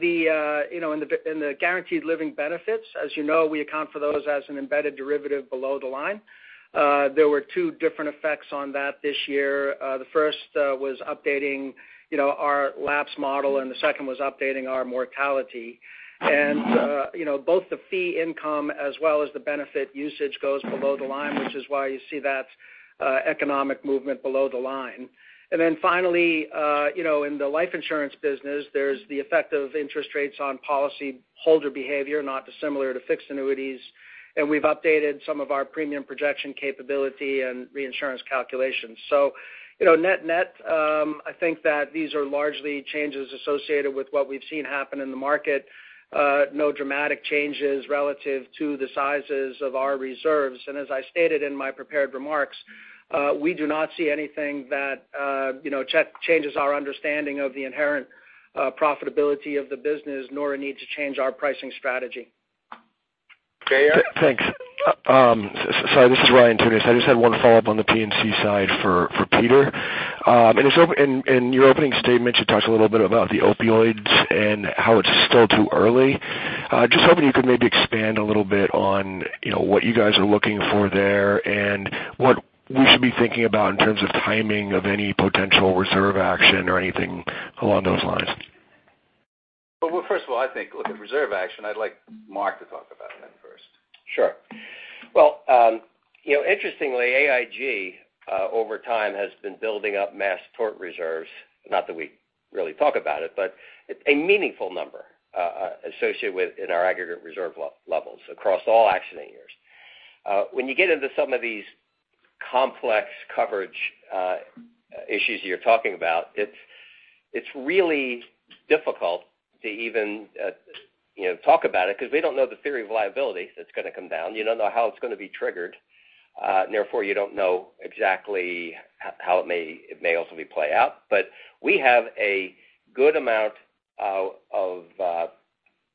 the guaranteed living benefits, as you know, we account for those as an embedded derivative below the line. There were two different effects on that this year. The first was updating our lapse model, and the second was updating our mortality. Both the fee income as well as the benefit usage goes below the line, which is why you see that economic movement below the line. Finally, in the life insurance business, there's the effect of interest rates on policyholder behavior, not dissimilar to fixed annuities, and we've updated some of our premium projection capability and reinsurance calculations. Net-net, I think that these are largely changes associated with what we've seen happen in the market. No dramatic changes relative to the sizes of our reserves. As I stated in my prepared remarks, we do not see anything that changes our understanding of the inherent profitability of the business, nor a need to change our pricing strategy. Okay, Erik. Thanks. Sorry, this is Ryan Tunis. I just had one follow-up on the P&C side for Peter. In your opening statement, you talked a little bit about the opioids and how it's still too early. Just hoping you could maybe expand a little bit on what you guys are looking for there and what we should be thinking about in terms of timing of any potential reserve action or anything along those lines. Well, first of all, I think with the reserve action, I'd like Mark to talk about that first. Sure. Well, interestingly, AIG, over time, has been building up mass tort reserves. Not that we really talk about it, but a meaningful number associated with it in our aggregate reserve levels across all accident years. When you get into some of these complex coverage issues you're talking about, it's really difficult to even talk about it because we don't know the theory of liability that's going to come down. You don't know how it's going to be triggered. Therefore, you don't know exactly how it may ultimately play out. We have a good amount of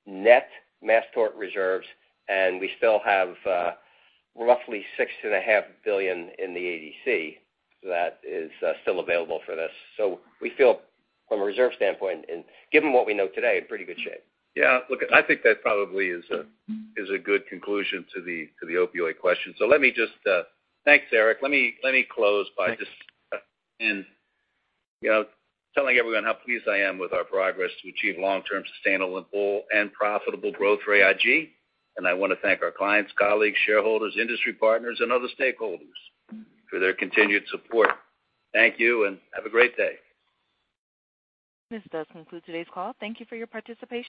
net mass tort reserves, and we still have roughly $six and a half billion in the ADC that is still available for this. We feel from a reserve standpoint and given what we know today, in pretty good shape. Yeah, look, I think that probably is a good conclusion to the opioid question. Let me just thanks, Erik. Let me close by just telling everyone how pleased I am with our progress to achieve long-term sustainable and profitable growth for AIG. I want to thank our clients, colleagues, shareholders, industry partners, and other stakeholders for their continued support. Thank you, and have a great day. This does conclude today's call. Thank you for your participation.